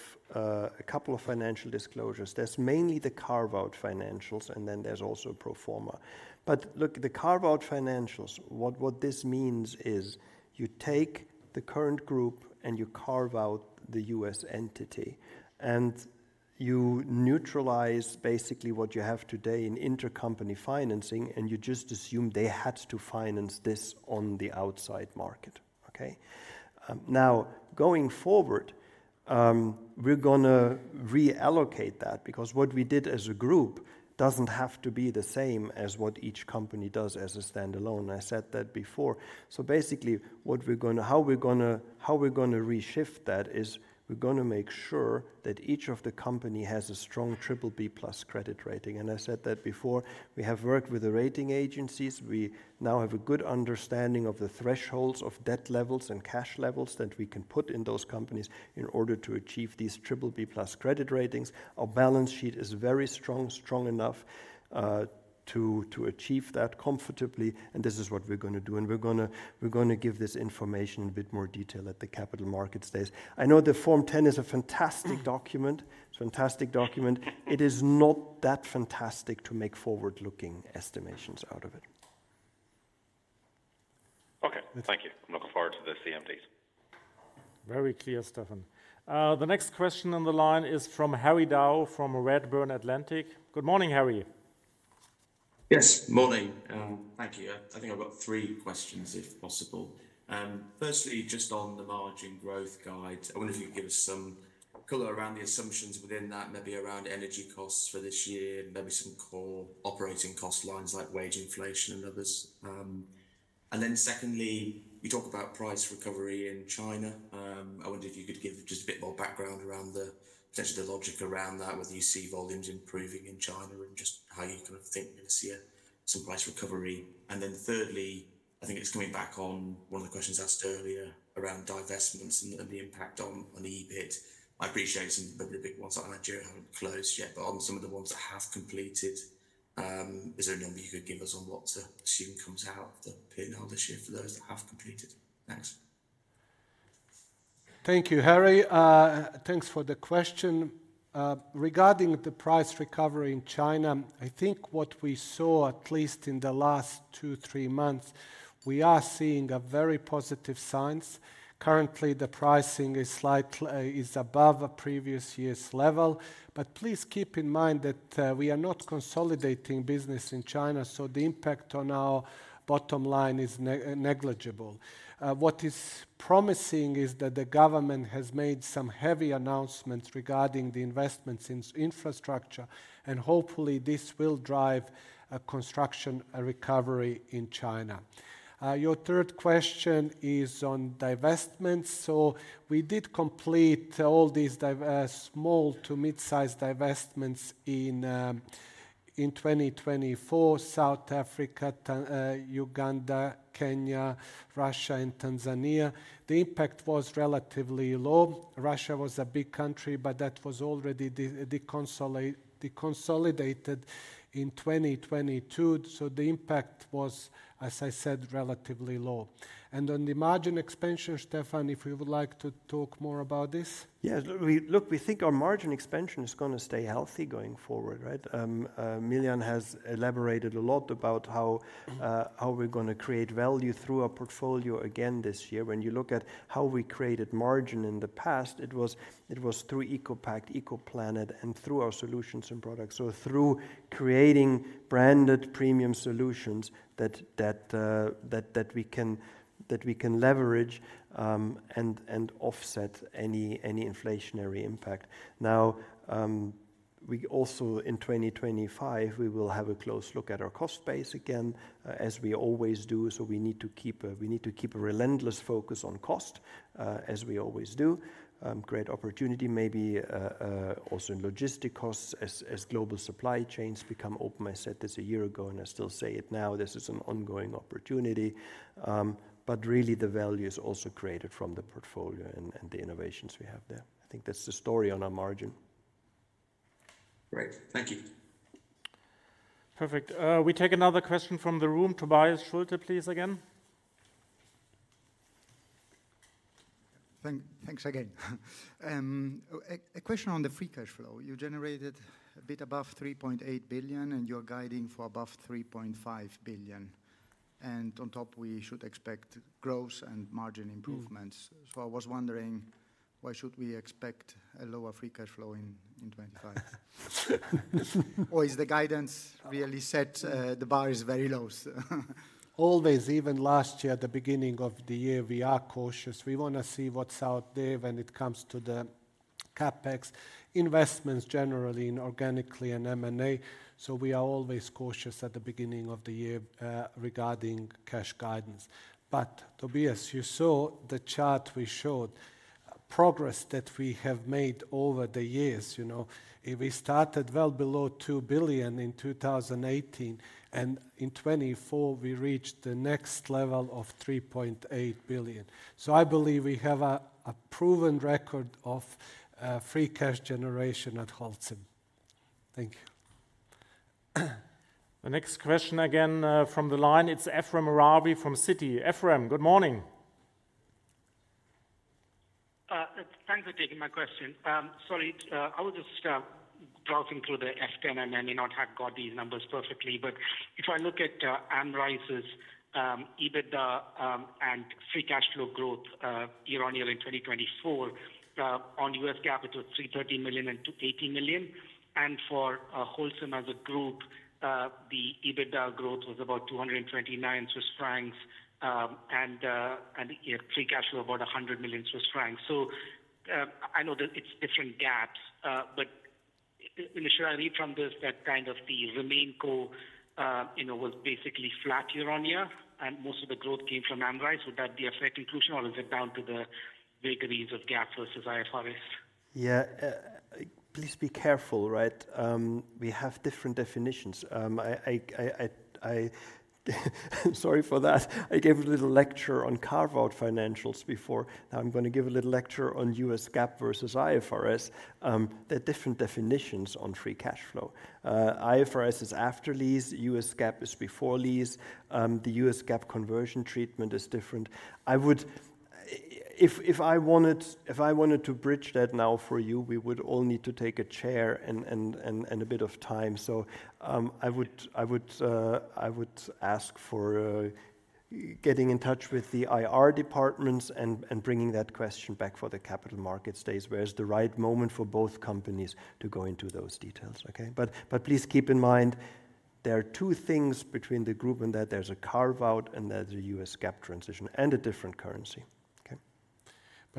financial disclosures. There's mainly the carve-out financials, and then there's also pro forma. But look, the carve-out financials, what this means is you take the current group and you carve out the U.S. entity, and you neutralize basically what you have today in intercompany financing, and you just assume they had to finance this on the outside market. Okay? Now, going forward, we're going to reallocate that because what we did as a group doesn't have to be the same as what each company does as a standalone. I said that before. So basically, how we're going to reshift that is we're going to make sure that each of the companies has a strong BBB+ credit rating. And I said that before. We have worked with the rating agencies. We now have a good understanding of the thresholds of debt levels and cash levels that we can put in those companies in order to achieve these BBB+ credit ratings. Our balance sheet is very strong, strong enough to achieve that comfortably, and this is what we're going to do. We're going to give this information in a bit more detail at the Capital Markets Days. I know the Form 10 is a fantastic document. It's a fantastic document. It is not that fantastic to make forward-looking estimations out of it. Okay, thank you. I'm looking forward to the CMDs. Very clear, Stefan. The next question on the line is from Harry Dow from Redburn Atlantic. Good morning, Harry. Yes, morning. Thank you. I think I've got three questions if possible. Firstly, just on the margin growth guide, I wonder if you could give us some color around the assumptions within that, maybe around energy costs for this year, maybe some core operating cost lines like wage inflation and others. And then secondly, you talk about price recovery in China. I wonder if you could give just a bit more background around the potential logic around that, whether you see volumes improving in China and just how you kind of think you're going to see some price recovery. And then thirdly, I think it's coming back on one of the questions asked earlier around divestments and the impact on EBIT. I appreciate some of the big ones that haven't closed yet, but on some of the ones that have completed, is there a number you could give us on what to assume comes out of the P&L this year for those that have completed? Thanks. Thank you, Harry. Thanks for the question. Regarding the price recovery in China, I think what we saw, at least in the last two, three months, we are seeing very positive signs. Currently, the pricing is above a previous year's level, but please keep in mind that we are not consolidating business in China, so the impact on our bottom line is negligible. What is promising is that the government has made some heavy announcements regarding the investments in infrastructure, and hopefully this will drive a construction recovery in China. Your third question is on divestments. So we did complete all these small to mid-size divestments in 2024: South Africa, Uganda, Kenya, Russia, and Tanzania. The impact was relatively low. Russia was a big country, but that was already deconsolidated in 2022. So the impact was, as I said, relatively low. On the margin expansion, Steffen, if you would like to talk more about this. Yeah, look, we think our margin expansion is going to stay healthy going forward, right? Miljan has elaborated a lot about how we're going to create value through our portfolio again this year. When you look at how we created margin in the past, it was through ECOPact, ECOPlanet, and through our solutions and products. So through creating branded premium solutions that we can leverage and offset any inflationary impact. Now, we also in 2025, we will have a close look at our cost base again, as we always do. So we need to keep a relentless focus on cost, as we always do. Great opportunity maybe also in logistic costs as global supply chains become open. I said this a year ago, and I still say it now. This is an ongoing opportunity. But really, the value is also created from the portfolio and the innovations we have there. I think that's the story on our margin. Great, thank you. Perfect. We take another question from the room. Tobias Schulte, please again. Thanks again. A question on the free cash flow. You generated a bit above $3.8 billion, and you're guiding for above $3.5 billion. And on top, we should expect growth and margin improvements. So I was wondering, why should we expect a lower free cash flow in 2025? Or is the guidance really set? The bar is very low. Always, even last year, at the beginning of the year, we are cautious. We want to see what's out there when it comes to the CapEx investments generally in inorganic and M&A. So we are always cautious at the beginning of the year regarding cash guidance. But Tobias, you saw the chart we showed, progress that we have made over the years. We started well below $2 billion in 2018, and in 2024, we reached the next level of $3.8 billion. So I believe we have a proven record of free cash generation at Holcim. Thank you. The next question again from the line. It's Ephrem Ravi from Citi. Efrem, good morning. Thanks for taking my question. Sorry, I was just flipping through the F10, and I may not have got these numbers perfectly, but if I look at Amrize's EBITDA and free cash flow growth year-on-year. in 2024, on U.S. GAAP, it was $330 million and $280 million. And for Holcim as a group, the EBITDA growth was about 229 million Swiss francs, and free cash flow about 100 million Swiss francs. So I know that it's different GAAPs, but should I read from this that kind of the remaining core was basically flat year-on-year., and most of the growth came from Amrize? Would that be a fair conclusion, or is it down to the vagaries of GAAP versus IFRS? Yeah, please be careful, right? We have different definitions. I'm sorry for that. I gave a little lecture on carve-out financials before. Now I'm going to give a little lecture on U.S. GAAP versus IFRS. They're different definitions on free cash flow. IFRS is after lease. US GAAP is before lease. The US GAAP conversion treatment is different. If I wanted to bridge that now for you, we would all need to take a chair and a bit of time. So I would ask for getting in touch with the IR departments and bringing that question back for the Capital Markets Days. Where's the right moment for both companies to go into those details? Okay? But please keep in mind, there are two things between the group and that. There's a carve-out, and there's a U.S. GAAP transition and a different currency.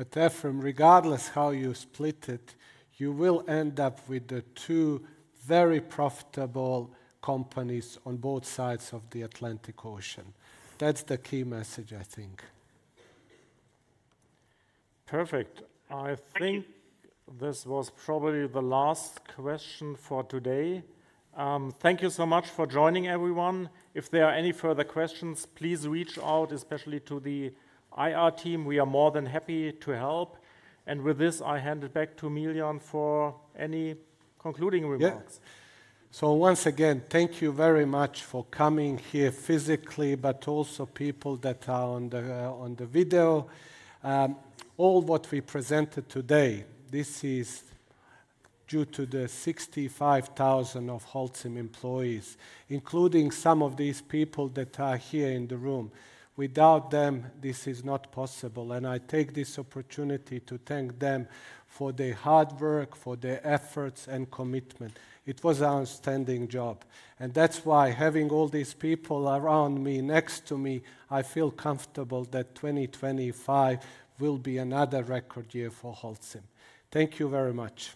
Okay? But Ephrem, regardless how you split it, you will end up with the two very profitable companies on both sides of the Atlantic Ocean. That's the key message, I think. Perfect. I think this was probably the last question for today. Thank you so much for joining, everyone. If there are any further questions, please reach out, especially to the IR team. We are more than happy to help, and with this, I hand it back to Miljan for any concluding remarks. So once again, thank you very much for coming here physically, but also people that are on the video. All what we presented today, this is due to the 65,000 of Holcim employees, including some of these people that are here in the room. Without them, this is not possible, and I take this opportunity to thank them for their hard work, for their efforts and commitment. It was an outstanding job, and that's why having all these people around me, next to me, I feel comfortable that 2025 will be another record year for Holcim. Thank you very much.